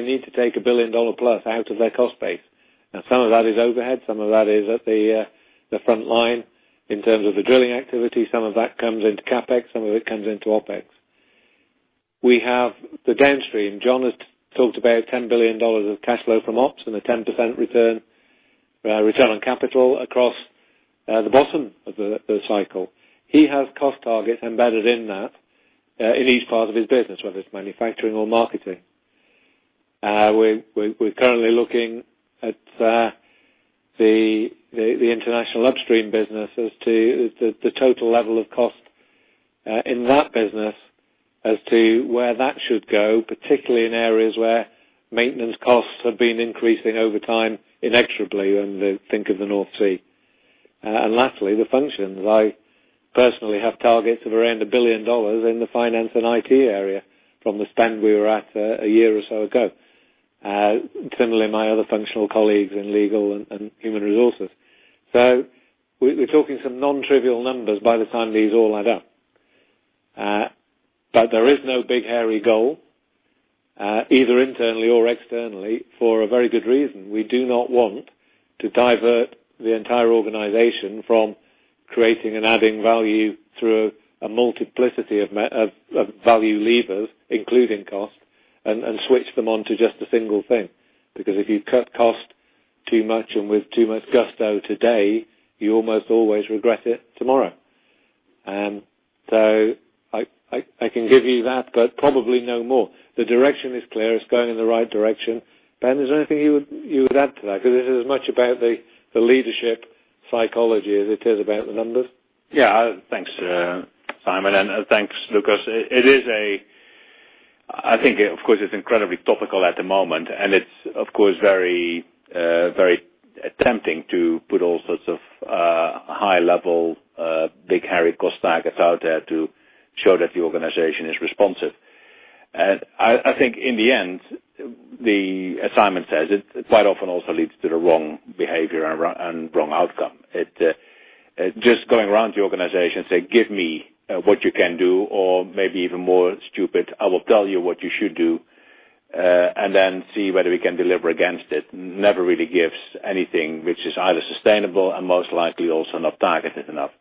need to take a $1 billion-plus out of their cost base. Now, some of that is overhead, some of that is at the frontline in terms of the drilling activity. Some of that comes into CapEx, some of it comes into OpEx. We have the downstream. John has talked about $10 billion of cash flow from ops and a 10% return on capital across the bottom of the cycle. He has cost targets embedded in that in each part of his business, whether it's manufacturing or marketing. We're currently looking at the international upstream business as to the total level of cost in that business as to where that should go, particularly in areas where maintenance costs have been increasing over time inexorably, and think of the North Sea. Lastly, the functions. I personally have targets of around $1 billion in the finance and IT area from the spend we were at a year or so ago. Similarly, my other functional colleagues in legal and human resources. We're talking some non-trivial numbers by the time these all add up. There is no big hairy goal, either internally or externally for a very good reason. We do not want to divert the entire organization from creating and adding value through a multiplicity of value levers, including cost, and switch them on to just a single thing. If you cut cost too much and with too much gusto today, you almost always regret it tomorrow. I can give you that, but probably no more. The direction is clear. It's going in the right direction. Ben, is there anything you would add to that? Because this is as much about the leadership psychology as it is about the numbers. Thanks, Simon, and thanks, Lucas. I think, of course, it's incredibly topical at the moment, and it's, of course, very tempting to put all sorts of high level, big, hairy cost targets out there to show that the organization is responsive. I think in the end, as Simon says, it quite often also leads to the wrong behavior and wrong outcome. Just going around the organization saying, "Give me what you can do," or maybe even more stupid, "I will tell you what you should do," and then see whether we can deliver against it, never really gives anything which is either sustainable and most likely also not targeted enough.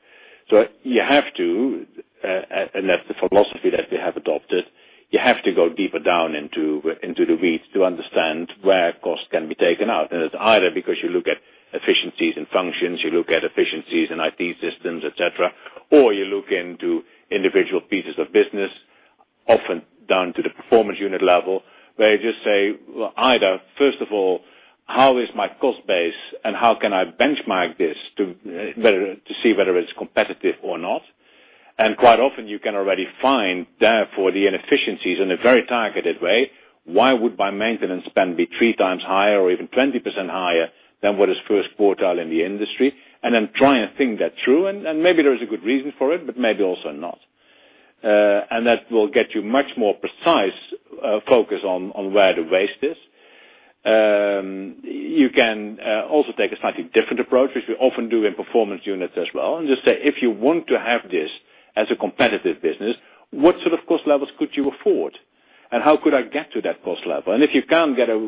You have to, and that's the philosophy that we have adopted. You have to go deeper down into the weeds to understand where costs can be taken out. It's either because you look at efficiencies in functions, you look at efficiencies in IT systems, et cetera, or you look into individual pieces of business, often down to the performance unit level, where you just say either, first of all, how is my cost base and how can I benchmark this to see whether it's competitive or not? Quite often you can already find therefore, the inefficiencies in a very targeted way. Why would my maintenance spend be three times higher or even 20% higher than what is first quartile in the industry? Then try and think that through, and maybe there is a good reason for it, but maybe also not. That will get you much more precise, focus on where the waste is. You can also take a slightly different approach, which we often do in performance units as well, just say, if you want to have this as a competitive business, what sort of cost levels could you afford? How could I get to that cost level? If you can't get a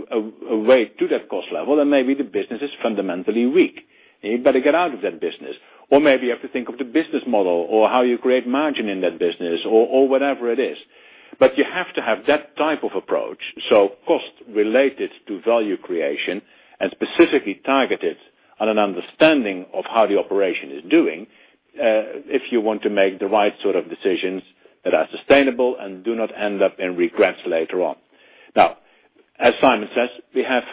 way to that cost level, then maybe the business is fundamentally weak and you better get out of that business. Maybe you have to think of the business model or how you create margin in that business or whatever it is. You have to have that type of approach, so cost related to value creation and specifically targeted on an understanding of how the operation is doing, if you want to make the right sort of decisions that are sustainable and do not end up in regrets later on. As Simon says, we have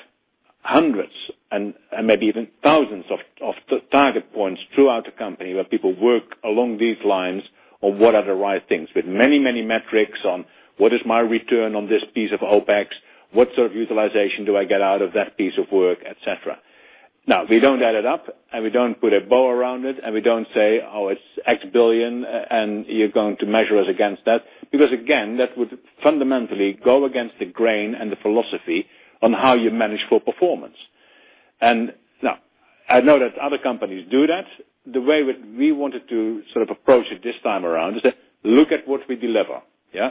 hundreds and maybe even thousands of target points throughout the company where people work along these lines on what are the right things with many, many metrics on what is my return on this piece of OpEx, what sort of utilization do I get out of that piece of work, et cetera. We don't add it up, we don't put a bow around it, we don't say, "Oh, it's X billion, and you're going to measure us against that." Again, that would fundamentally go against the grain and the philosophy on how you manage for performance. I know that other companies do that. The way we wanted to sort of approach it this time around is that look at what we deliver. Yeah?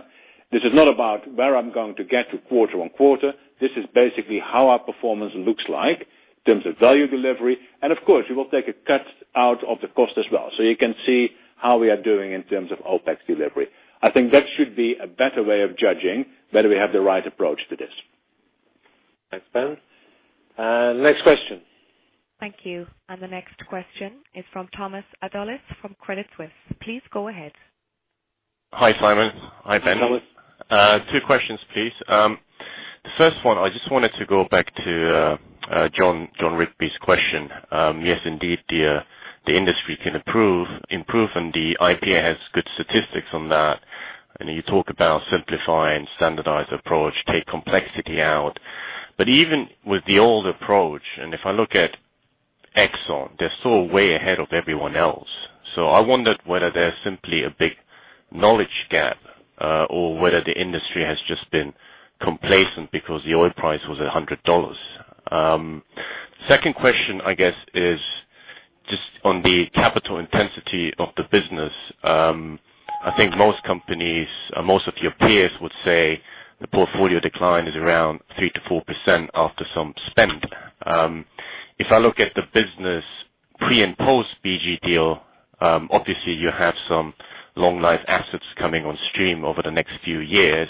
This is not about where I'm going to get to quarter-on-quarter. This is basically how our performance looks like in terms of value delivery. Of course, we will take a cut out of the cost as well, so you can see how we are doing in terms of OpEx delivery. I think that should be a better way of judging whether we have the right approach to this. Thanks, Ben. Next question. Thank you. The next question is from Thomas Adolff from Credit Suisse. Please go ahead. Hi, Simon. Hi, Ben. Thomas. Two questions, please. The first one, I just wanted to go back to Jon Rigby's question. Yes, indeed, the industry can improve, and the IPA has good statistics on that. You talk about simplify and standardize approach, take complexity out. Even with the old approach, if I look at Exxon, they're so way ahead of everyone else. I wondered whether there's simply a big knowledge gap or whether the industry has just been complacent because the oil price was at $100. Second question, I guess, is just on the capital intensity of the business. I think most companies or most of your peers would say the portfolio decline is around 3%-4% after some spend. If I look at the business pre and post BG deal, obviously you have some long life assets coming on stream over the next few years.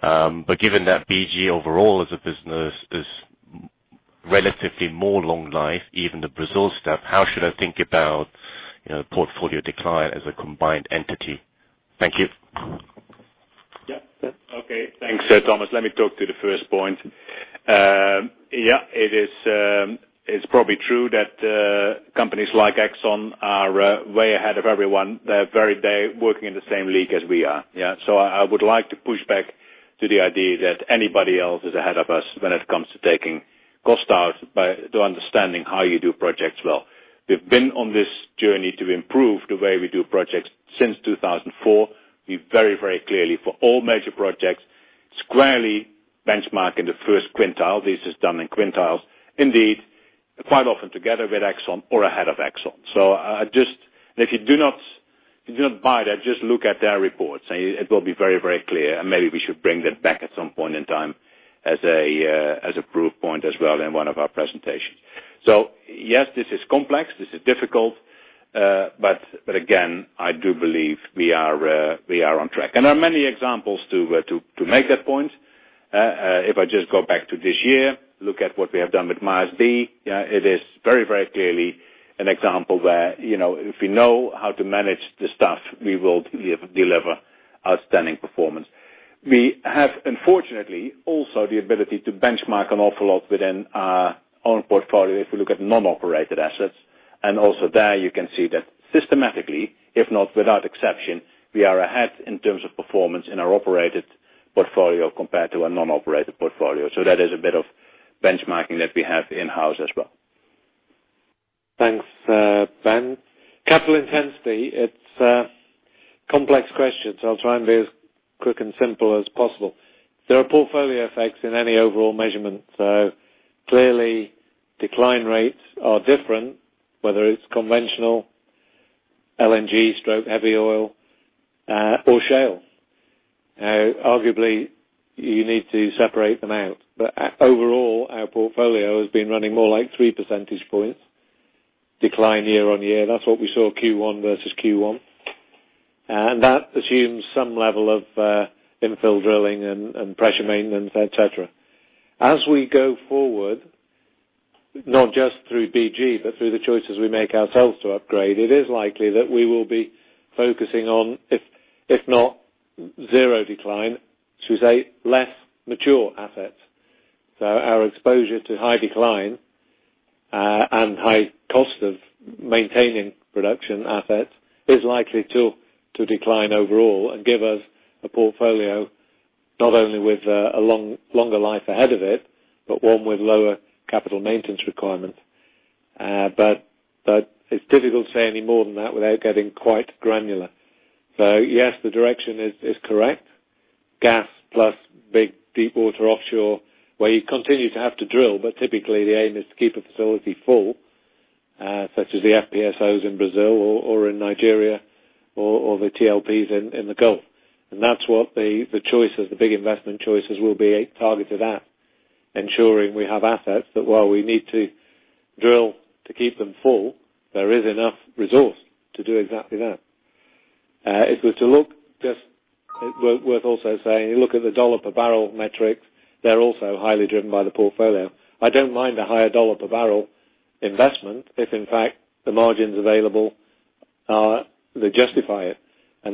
Given that BG overall as a business is relatively more long life, even the Brazil stuff, how should I think about portfolio decline as a combined entity? Thank you. Okay. Thanks, Thomas. Let me talk to the first point. It's probably true that companies like Exxon are way ahead of everyone. They're very working in the same league as we are. I would like to push back to the idea that anybody else is ahead of us when it comes to taking cost out by understanding how you do projects well. We've been on this journey to improve the way we do projects since 2004. We very, very clearly for all major projects squarely benchmark in the first quintile. This is done in quintiles. Indeed, quite often together with Exxon or ahead of Exxon. If you do not buy that, just look at their reports and it will be very clear, and maybe we should bring that back at some point in time as a proof point as well in one of our presentations. Yes, this is complex, this is difficult, but again, I do believe we are on track. There are many examples to make that point. If I just go back to this year, look at what we have done with Mars B, it is very clearly an example where, if we know how to manage the stuff, we will deliver outstanding performance. We have, unfortunately, also the ability to benchmark an awful lot within our own portfolio if we look at non-operated assets. Also there you can see that systematically, if not without exception, we are ahead in terms of performance in our operated portfolio compared to a non-operated portfolio. That is a bit of benchmarking that we have in-house as well. Thanks, Ben. Capital intensity, it's a complex question, so I'll try and be as quick and simple as possible. There are portfolio effects in any overall measurement, so clearly decline rates are different, whether it's conventional LNG/heavy oil, or Shell. Now, arguably, you need to separate them out. Overall, our portfolio has been running more like three percentage points decline year-on-year. That's what we saw Q1 versus Q1. That assumes some level of infill drilling and pressure maintenance, et cetera. As we go forward, not just through BG, but through the choices we make ourselves to upgrade, it is likely that we will be focusing on, if not zero decline, should say less mature assets. Our exposure to high decline, and high cost of maintaining production assets is likely to decline overall and give us a portfolio not only with a longer life ahead of it, but one with lower capital maintenance requirements. It's difficult to say any more than that without getting quite granular. Yes, the direction is correct. Gas plus big deep water offshore, where you continue to have to drill, but typically the aim is to keep a facility full, such as the FPSOs in Brazil or in Nigeria, or the TLPs in the Gulf. That's what the choices, the big investment choices will be targeted at, ensuring we have assets that while we need to drill to keep them full, there is enough resource to do exactly that. It's worth also saying, look at the dollar per barrel metric. They're also highly driven by the portfolio. I don't mind a higher dollar per barrel investment if, in fact, the margins available are they justify it.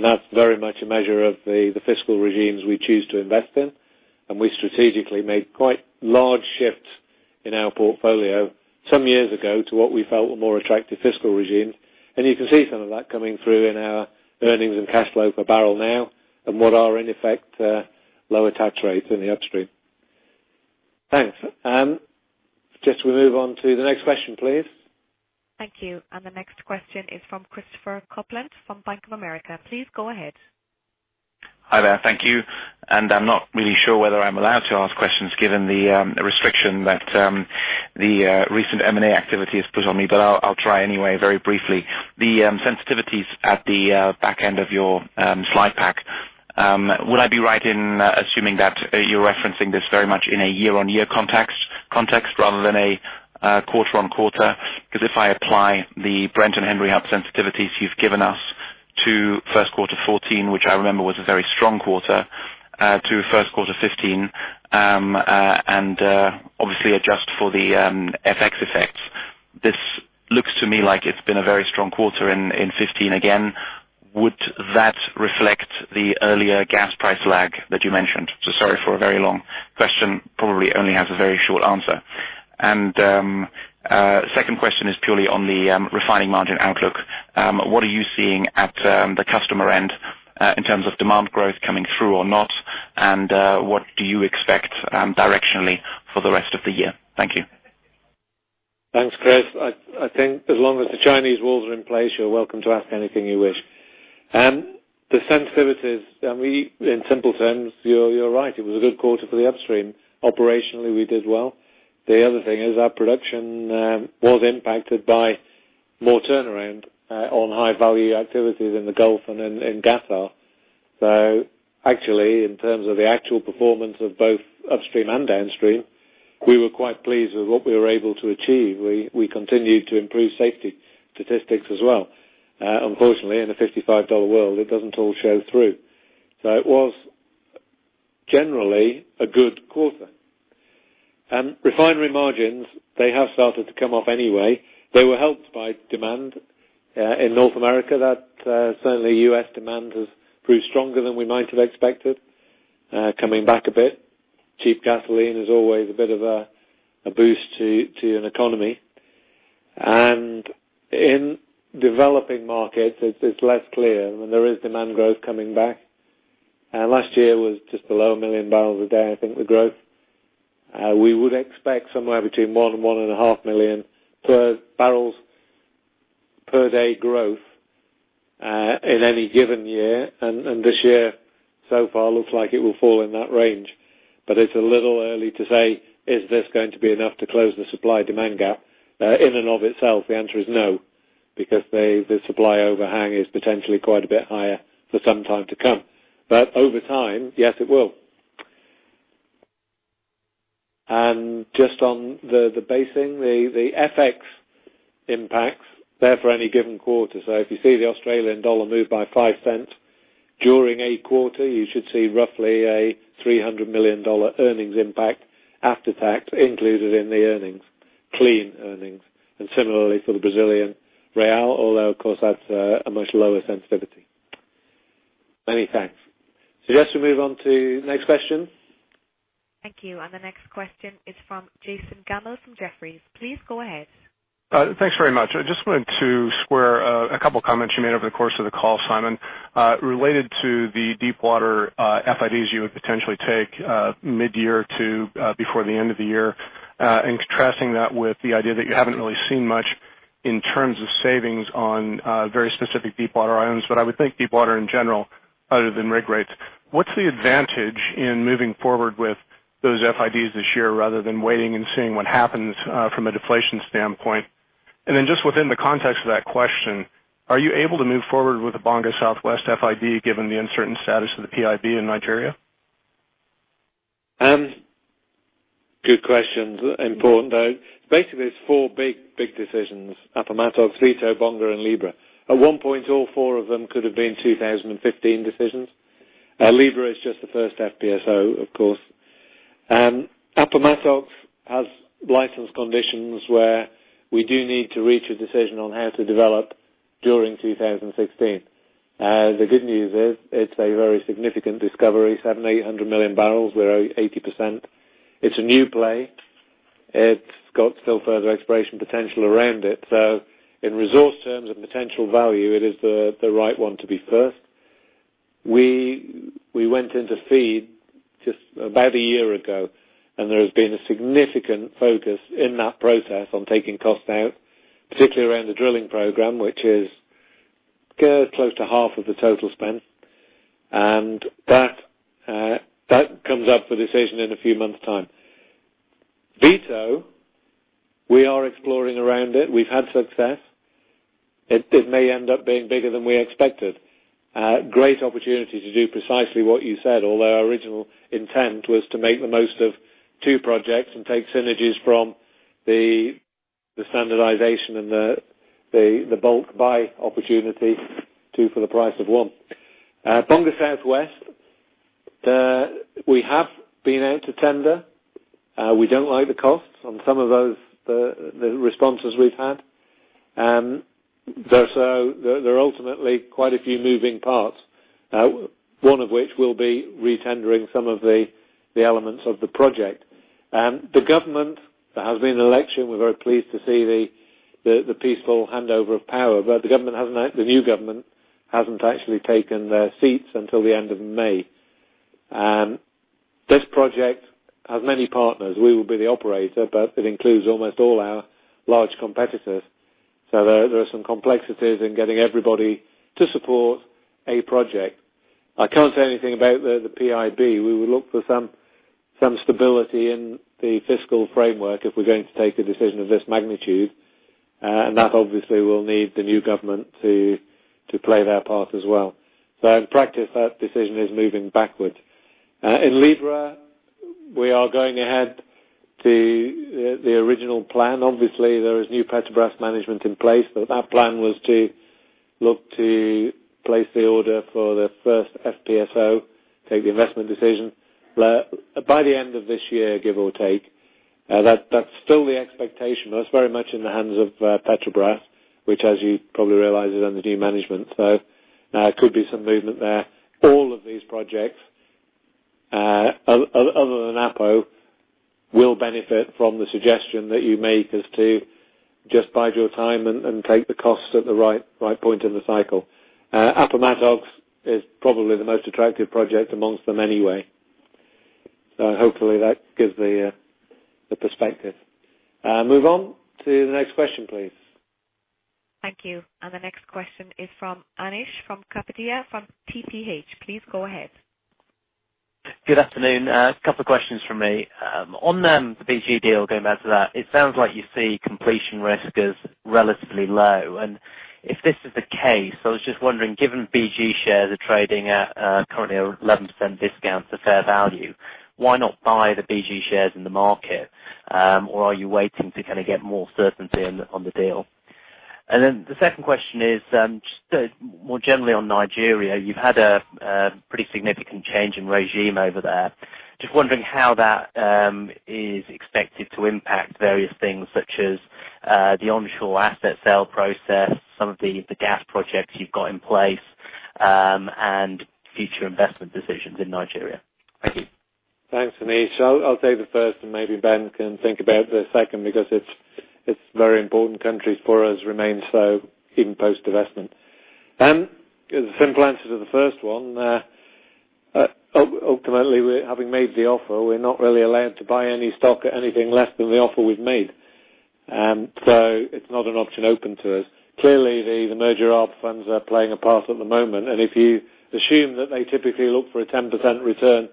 That's very much a measure of the fiscal regimes we choose to invest in. We strategically made quite large shifts in our portfolio some years ago to what we felt were more attractive fiscal regimes. You can see some of that coming through in our earnings and cash flow per barrel now and what are, in effect, lower tax rates in the upstream. Thanks. Just we move on to the next question, please. Thank you. The next question is from Christopher Kuplent from Bank of America. Please go ahead. Hi there. Thank you. I'm not really sure whether I'm allowed to ask questions given the restriction that the recent M&A activity has put on me, but I'll try anyway, very briefly. The sensitivities at the back end of your slide pack, would I be right in assuming that you're referencing this very much in a year-on-year context rather than a quarter-on-quarter? Because if I apply the Brent and Henry Hub sensitivities you've given us to first quarter 2014, which I remember was a very strong quarter, to first quarter 2015, and, obviously adjust for the FX effects. This looks to me like it's been a very strong quarter in 2015 again. Would that reflect the earlier gas price lag that you mentioned? Sorry for a very long question, probably only has a very short answer. Second question is purely on the refining margin outlook. What are you seeing at the customer end, in terms of demand growth coming through or not? What do you expect directionally for the rest of the year? Thank you. Thanks, Chris. I think as long as the Chinese walls are in place, you're welcome to ask anything you wish. The sensitivities, in simple terms, you're right, it was a good quarter for the upstream. Operationally, we did well. The other thing is our production was impacted by more turnaround on high-value activities in the Gulf and in Qatar. Actually, in terms of the actual performance of both upstream and downstream, we were quite pleased with what we were able to achieve. We continued to improve safety statistics as well. Unfortunately, in a $55 world, it doesn't all show through. It was generally a good quarter. Refinery margins, they have started to come off anyway. They were helped by demand, in North America that certainly U.S. demand has proved stronger than we might have expected, coming back a bit. Cheap gasoline is always a bit of a boost to an economy. In developing markets, it's less clear. I mean, there is demand growth coming back. Last year was just below 1 million barrels a day, I think the growth. We would expect somewhere between 1 and 1.5 million barrels per day growth in any given year. This year, so far, looks like it will fall in that range. It's a little early to say, is this going to be enough to close the supply-demand gap? In and of itself, the answer is no, because the supply overhang is potentially quite a bit higher for some time to come. Over time, yes, it will. Just on the basing, the FX impacts there for any given quarter. If you see the Australian dollar move by 0.05 during a quarter, you should see roughly a $300 million earnings impact after tax included in the earnings, clean earnings. Similarly for the Brazilian real, although, of course, that's a much lower sensitivity. Many thanks. Suggest we move on to next question. Thank you. The next question is from Jason Gammel from Jefferies. Please go ahead. Thanks very much. I just wanted to square a couple of comments you made over the course of the call, Simon. Related to the Deepwater FIDs you would potentially take mid-year to before the end of the year, and contrasting that with the idea that you haven't really seen much in terms of savings on very specific Deepwater items. I would think Deepwater, in general, other than rig rates, what's the advantage in moving forward with those FIDs this year rather than waiting and seeing what happens from a deflation standpoint? Then just within the context of that question, are you able to move forward with the Bonga Southwest FID given the uncertain status of the PIB in Nigeria? Good questions. Important, though. Basically, it's four big decisions, Appomattox, Vito, Bonga, and Libra. At one point, all four of them could have been 2015 decisions. Libra is just the first FPSO, of course. Appomattox has license conditions where we do need to reach a decision on how to develop during 2016. The good news is it's a very significant discovery, 700 million-800 million barrels. We own 80%. It's a new play. It's got still further exploration potential around it. In resource terms and potential value, it is the right one to be first. We went into FEED just about a year ago, and there has been a significant focus in that process on taking costs out, particularly around the drilling program, which is close to half of the total spend. That comes up for decision in a few months' time. Vito, we are exploring around it. We've had success. It may end up being bigger than we expected. Great opportunity to do precisely what you said, although our original intent was to make the most of two projects and take synergies from the standardization and the bulk buy opportunity, two for the price of one. Bonga Southwest, we have been out to tender. We don't like the costs on some of the responses we've had. There are ultimately quite a few moving parts, one of which will be re-tendering some of the elements of the project. The government, there has been an election. We're very pleased to see the peaceful handover of power. The new government hasn't actually taken their seats until the end of May. This project has many partners. We will be the operator, but it includes almost all our large competitors. There are some complexities in getting everybody to support a project. I can't say anything about the PIB. We will look for some stability in the fiscal framework if we're going to take a decision of this magnitude, and that obviously will need the new government to play their part as well. In practice, that decision is moving backward. In Libra, we are going ahead. The original plan, obviously, there is new Petrobras management in place, but that plan was to look to place the order for the first FPSO, take the investment decision by the end of this year, give or take. That's still the expectation. That's very much in the hands of Petrobras, which, as you probably realize, is under new management. There could be some movement there. All of these projects, other than Appo, will benefit from the suggestion that you make as to just bide your time and take the costs at the right point in the cycle. Appomattox is probably the most attractive project amongst them anyway. Hopefully that gives the perspective. Move on to the next question, please. Thank you. The next question is from Anish Kapadia from TPH. Please go ahead. Good afternoon. A couple questions from me. On the BG deal, going back to that, it sounds like you see completion risk as relatively low. If this is the case, I was just wondering, given BG shares are trading at currently 11% discount to fair value, why not buy the BG shares in the market? Or are you waiting to get more certainty on the deal? The second question is, just more generally on Nigeria, you've had a pretty significant change in regime over there. Just wondering how that is expected to impact various things such as the onshore asset sale process, some of the gas projects you've got in place, and future investment decisions in Nigeria. Thank you. Thanks, Anish. I'll take the first and maybe Ben can think about the second because it's very important countries for us remain so even post-divestment. The simple answer to the first one, ultimately, having made the offer, we're not really allowed to buy any stock at anything less than the offer we've made. It's not an option open to us. Clearly, the merger arb funds are playing a part at the moment, and if you assume that they typically look for a 10% return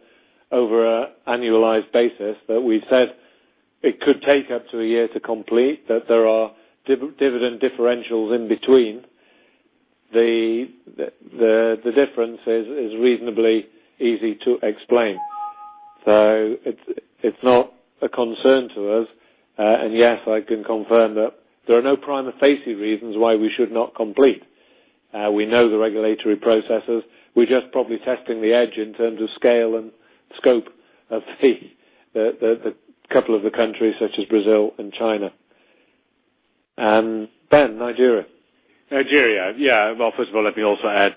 over an annualized basis, that we've said it could take up to a year to complete, that there are dividend differentials in between, the difference is reasonably easy to explain. It's not a concern to us. Yes, I can confirm that there are no prima facie reasons why we should not complete. We know the regulatory processes. We're just probably testing the edge in terms of scale and scope of the couple of the countries such as Brazil and China. Ben, Nigeria. Nigeria. First of all, let me also add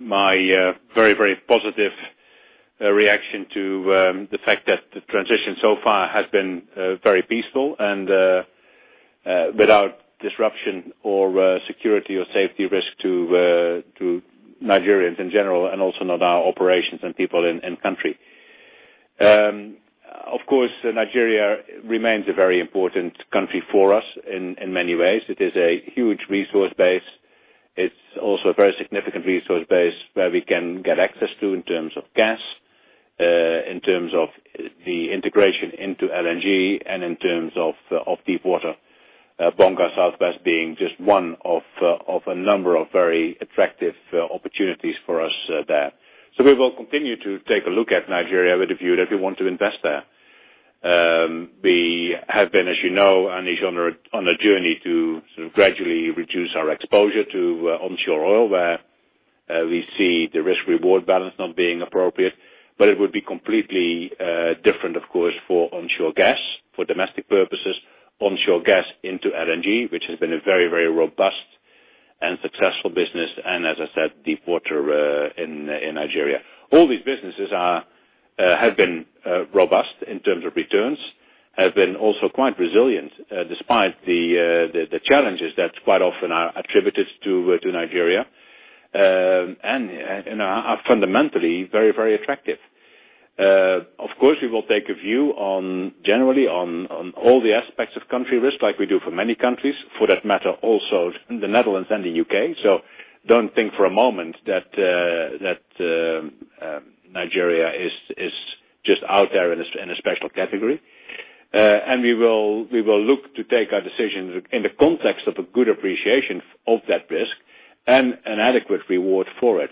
my very positive reaction to the fact that the transition so far has been very peaceful and without disruption or security or safety risk to Nigerians in general, and also not our operations and people in country. Of course, Nigeria remains a very important country for us in many ways. It is a huge resource base. It's also a very significant resource base where we can get access to in terms of gas, in terms of the integration into LNG and in terms of deep water, Bonga Southwest being just one of a number of very attractive opportunities for us there. We will continue to take a look at Nigeria with a view that we want to invest there. We have been, as you know, on a journey to gradually reduce our exposure to onshore oil, where we see the risk-reward balance not being appropriate. It would be completely different, of course, for onshore gas for domestic purposes, onshore gas into LNG, which has been a very robust and successful business, and as I said, deep water in Nigeria. All these businesses have been robust in terms of returns, have been also quite resilient despite the challenges that quite often are attributed to Nigeria, and are fundamentally very attractive. Of course, we will take a view generally on all the aspects of country risk like we do for many countries, for that matter, also the Netherlands and the U.K. Don't think for a moment that Nigeria is just out there in a special category. We will look to take our decisions in the context of a good appreciation of that risk and an adequate reward for it.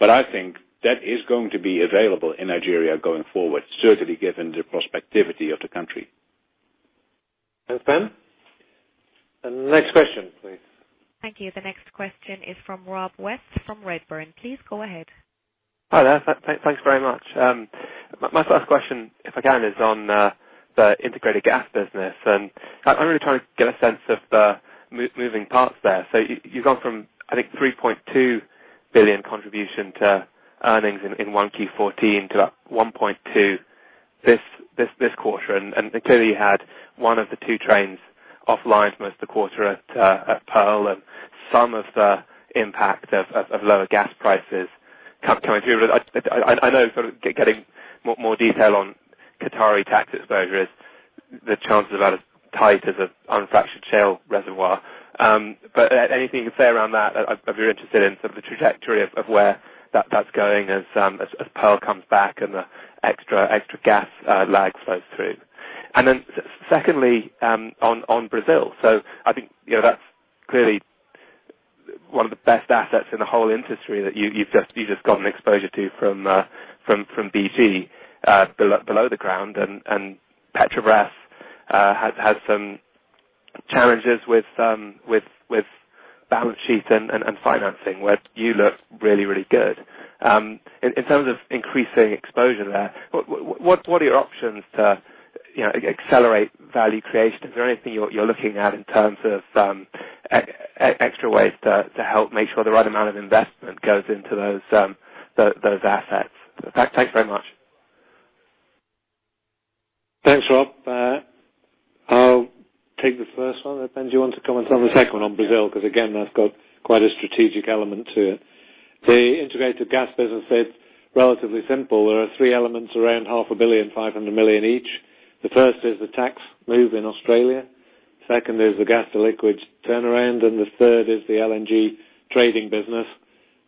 I think that is going to be available in Nigeria going forward, certainly given the prospectivity of the country. Thanks, Ben. Next question, please. Thank you. The next question is from Rob West, from Redburn. Please go ahead. Hi there. Thanks very much. My first question, if I can, is on the integrated gas business. I'm really trying to get a sense of the moving parts there. You've gone from, I think, $3.2 billion contribution to earnings in 1Q 2014 to that $1.2 billion this quarter. Clearly, you had one of the two trains offline for most of the quarter at Pearl and some of the impact of lower gas prices coming through. I know sort of getting more detail on Qatari tax exposure is the chance of that as tight as an unfractured shale reservoir. Anything you can say around that, I'd be interested in sort of the trajectory of where that's going as Pearl comes back and the extra gas lag flows through. Secondly, on Brazil. I think that's clearly one of the best assets in the whole industry that you've just gotten exposure to from BG Group below the ground. Petrobras has had some challenges with balance sheet and financing, where you look really good. In terms of increasing exposure there, what are your options to accelerate value creation? Is there anything you're looking at in terms of extra ways to help make sure the right amount of investment goes into those assets? Thanks very much. Thanks, Rob. I'll take the first one, unless Ben, do you want to comment on the second one on Brazil? Again, that's got quite a strategic element to it. The integrated gas business is relatively simple. There are three elements around half a billion, $500 million each. The first is the tax move in Australia, second is the gas to liquids turnaround, and the third is the LNG trading business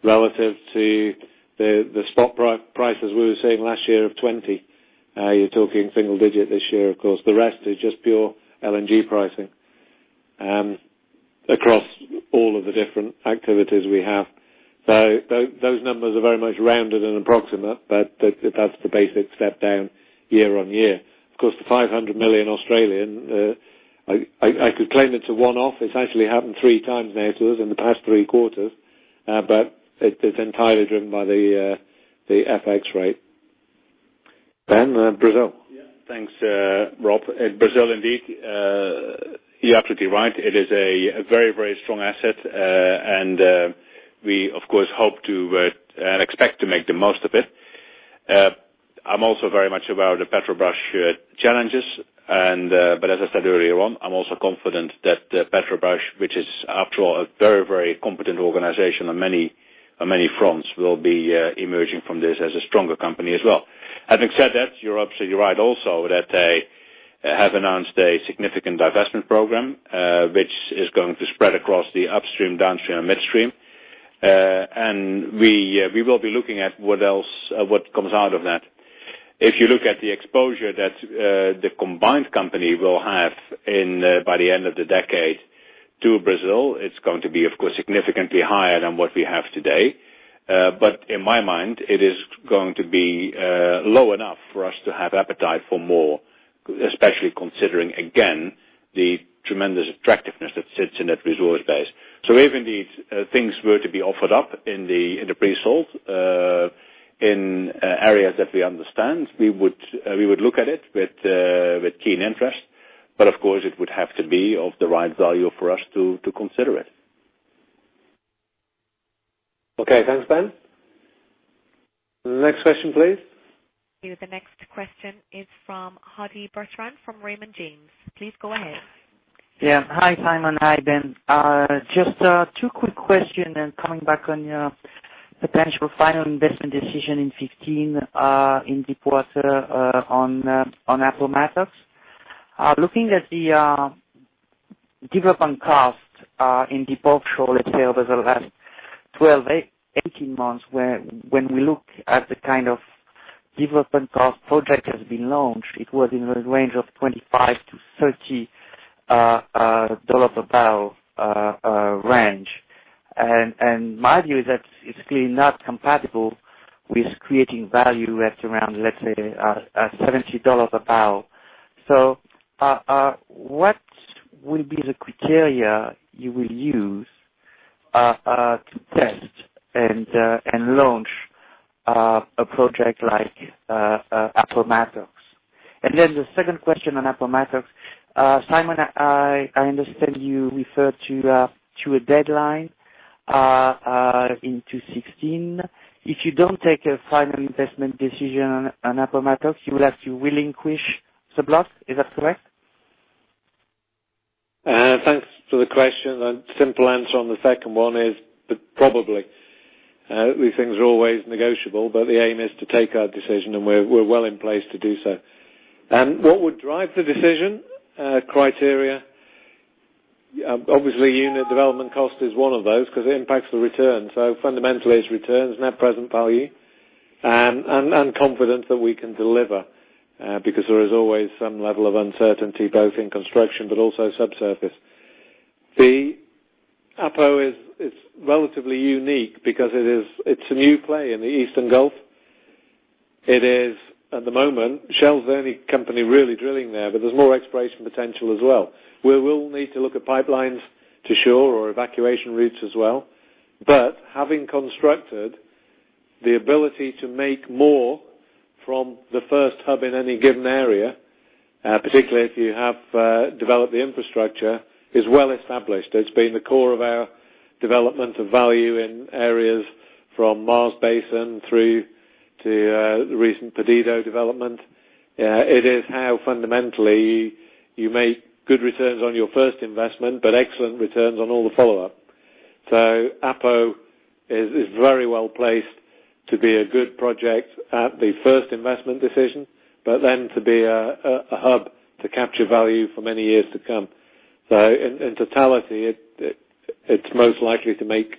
relative to the spot prices we were seeing last year of $20. You're talking single digit this year, of course. The rest is just pure LNG pricing across all of the different activities we have. Those numbers are very much rounded and approximate, but that's the basic step down year-over-year. Of course, the 500 million Australian, I could claim it's a one-off. It's actually happened three times now to us in the past three quarters. It's entirely driven by the FX rate. Ben, Brazil. Yeah. Thanks, Rob. Brazil, indeed. You are absolutely right. It is a very strong asset. We, of course, hope to and expect to make the most of it. I am also very much aware of the Petrobras challenges, but as I said earlier on, I am also confident that Petrobras, which is after all, a very competent organization on many fronts will be emerging from this as a stronger company as well. Having said that, you are absolutely right also that they have announced a significant divestment program, which is going to spread across the upstream, downstream, and midstream. We will be looking at what comes out of that. If you look at the exposure that the combined company will have by the end of the decade to Brazil, it is going to be, of course, significantly higher than what we have today. In my mind, it is going to be low enough for us to have appetite for more, especially considering, again, the tremendous attractiveness that sits in that resource base. If indeed things were to be offered up in the pre-salt, in areas that we understand, we would look at it with keen interest. Of course, it would have to be of the right value for us to consider it. Okay. Thanks, Ben. Next question, please. The next question is from Bertrand Hodee from Raymond James. Please go ahead. Hi, Simon. Hi, Ben. Just two quick questions coming back on your potential final investment decision in 2015, in deep water on Appomattox. Looking at the development cost in deep offshore, over the last 12, 18 months, when we look at the kind of development cost project has been launched, it was in the range of $25-$30 a barrel. My view is that it's clearly not compatible with creating value at around $70 a barrel. What will be the criteria you will use to test and launch a project like Appomattox? The second question on Appomattox. Simon, I understand you referred to a deadline in 2016. If you don't take a final investment decision on Appomattox, you will have to relinquish the block. Is that correct? Thanks for the question. The simple answer on the second one is probably. These things are always negotiable, but the aim is to take our decision, and we're well in place to do so. What would drive the decision criteria? Obviously, unit development cost is one of those because it impacts the return. Fundamentally, it's returns, net present value, and confidence that we can deliver, because there is always some level of uncertainty, both in construction, but also subsurface. The Appomattox is relatively unique because it's a new play in the Eastern Gulf. It is, at the moment, Shell's only company really drilling there, but there's more exploration potential as well. We will need to look at pipelines to shore or evacuation routes as well. Having constructed the ability to make more from the first hub in any given area, particularly if you have developed the infrastructure, is well established. It's been the core of our development of value in areas from Mars B through to the recent Perdido development. It is how fundamentally you make good returns on your first investment, but excellent returns on all the follow-up. Appomattox is very well-placed to be a good project at the first investment decision, but to be a hub to capture value for many years to come. In totality, it's most likely to make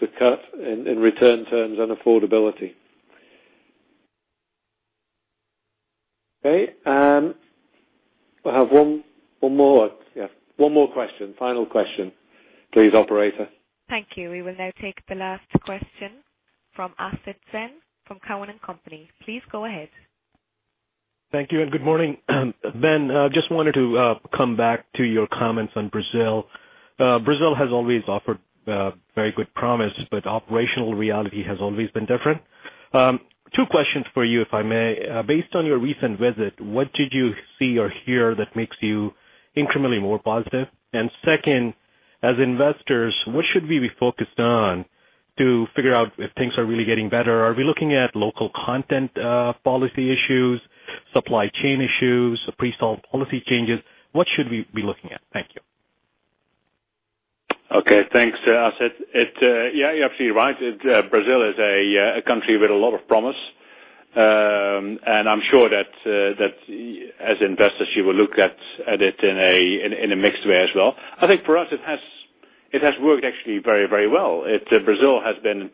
the cut in return terms and affordability. We have one more. One more question. Final question. Please, operator. Thank you. We will now take the last question from Sam Margolin from Cowen and Company. Please go ahead. Thank you and good morning. Ben, just wanted to come back to your comments on Brazil. Brazil has always offered very good promise, but operational reality has always been different. Two questions for you, if I may. Based on your recent visit, what did you see or hear that makes you incrementally more positive? Second, as investors, what should we be focused on to figure out if things are really getting better? Are we looking at local content policy issues, supply chain issues, pre-salt policy changes? What should we be looking at? Thank you. Okay. Thanks, Sam. Yeah, you're absolutely right. Brazil is a country with a lot of promise. I'm sure that as investors, you will look at it in a mixed way as well. I think for us, it has worked actually very well. Brazil has been,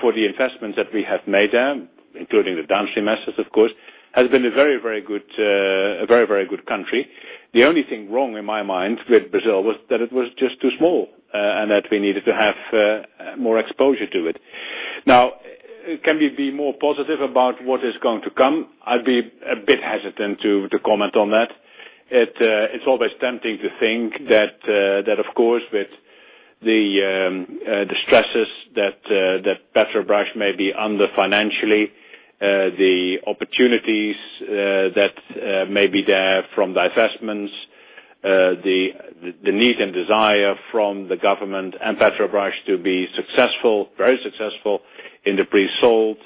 for the investments that we have made there, including the downstream assets, of course, has been a very very good country. The only thing wrong in my mind with Brazil was that it was just too small, and that we needed to have more exposure to it. Now, can we be more positive about what is going to come? I'd be a bit hesitant to comment on that. It's always tempting to think that, of course, with the stresses that Petrobras may be under financially, the opportunities that may be there from divestments, the need and desire from the government and Petrobras to be very successful in the pre-salt.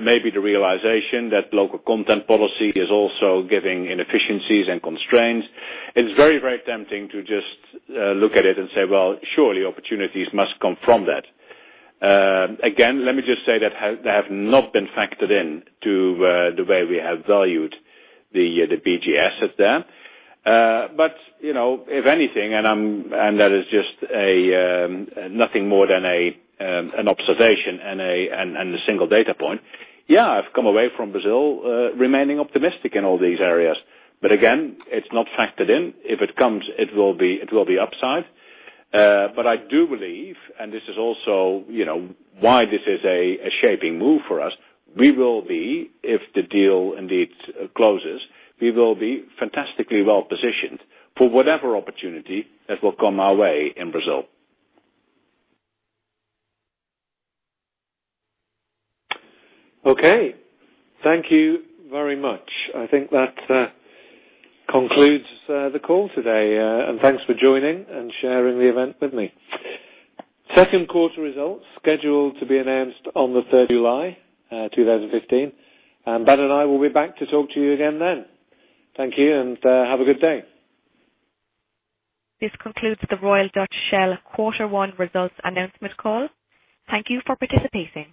Maybe the realization that local content policy is also giving inefficiencies and constraints. It's very, very tempting to just look at it and say, well, surely opportunities must come from that. Again, let me just say that they have not been factored in to the way we have valued the BG assets there. If anything, and that is just nothing more than an observation and a single data point. Yeah, I've come away from Brazil remaining optimistic in all these areas. Again, it's not factored in. If it comes, it will be upside. I do believe, and this is also why this is a shaping move for us. We will be, if the deal indeed closes, we will be fantastically well-positioned for whatever opportunity that will come our way in Brazil. Okay. Thank you very much. I think that concludes the call today. Thanks for joining and sharing the event with me. Second quarter results scheduled to be announced on the 30th July 2015, Ben and I will be back to talk to you again then. Thank you and have a good day. This concludes the Royal Dutch Shell quarter one results announcement call. Thank you for participating.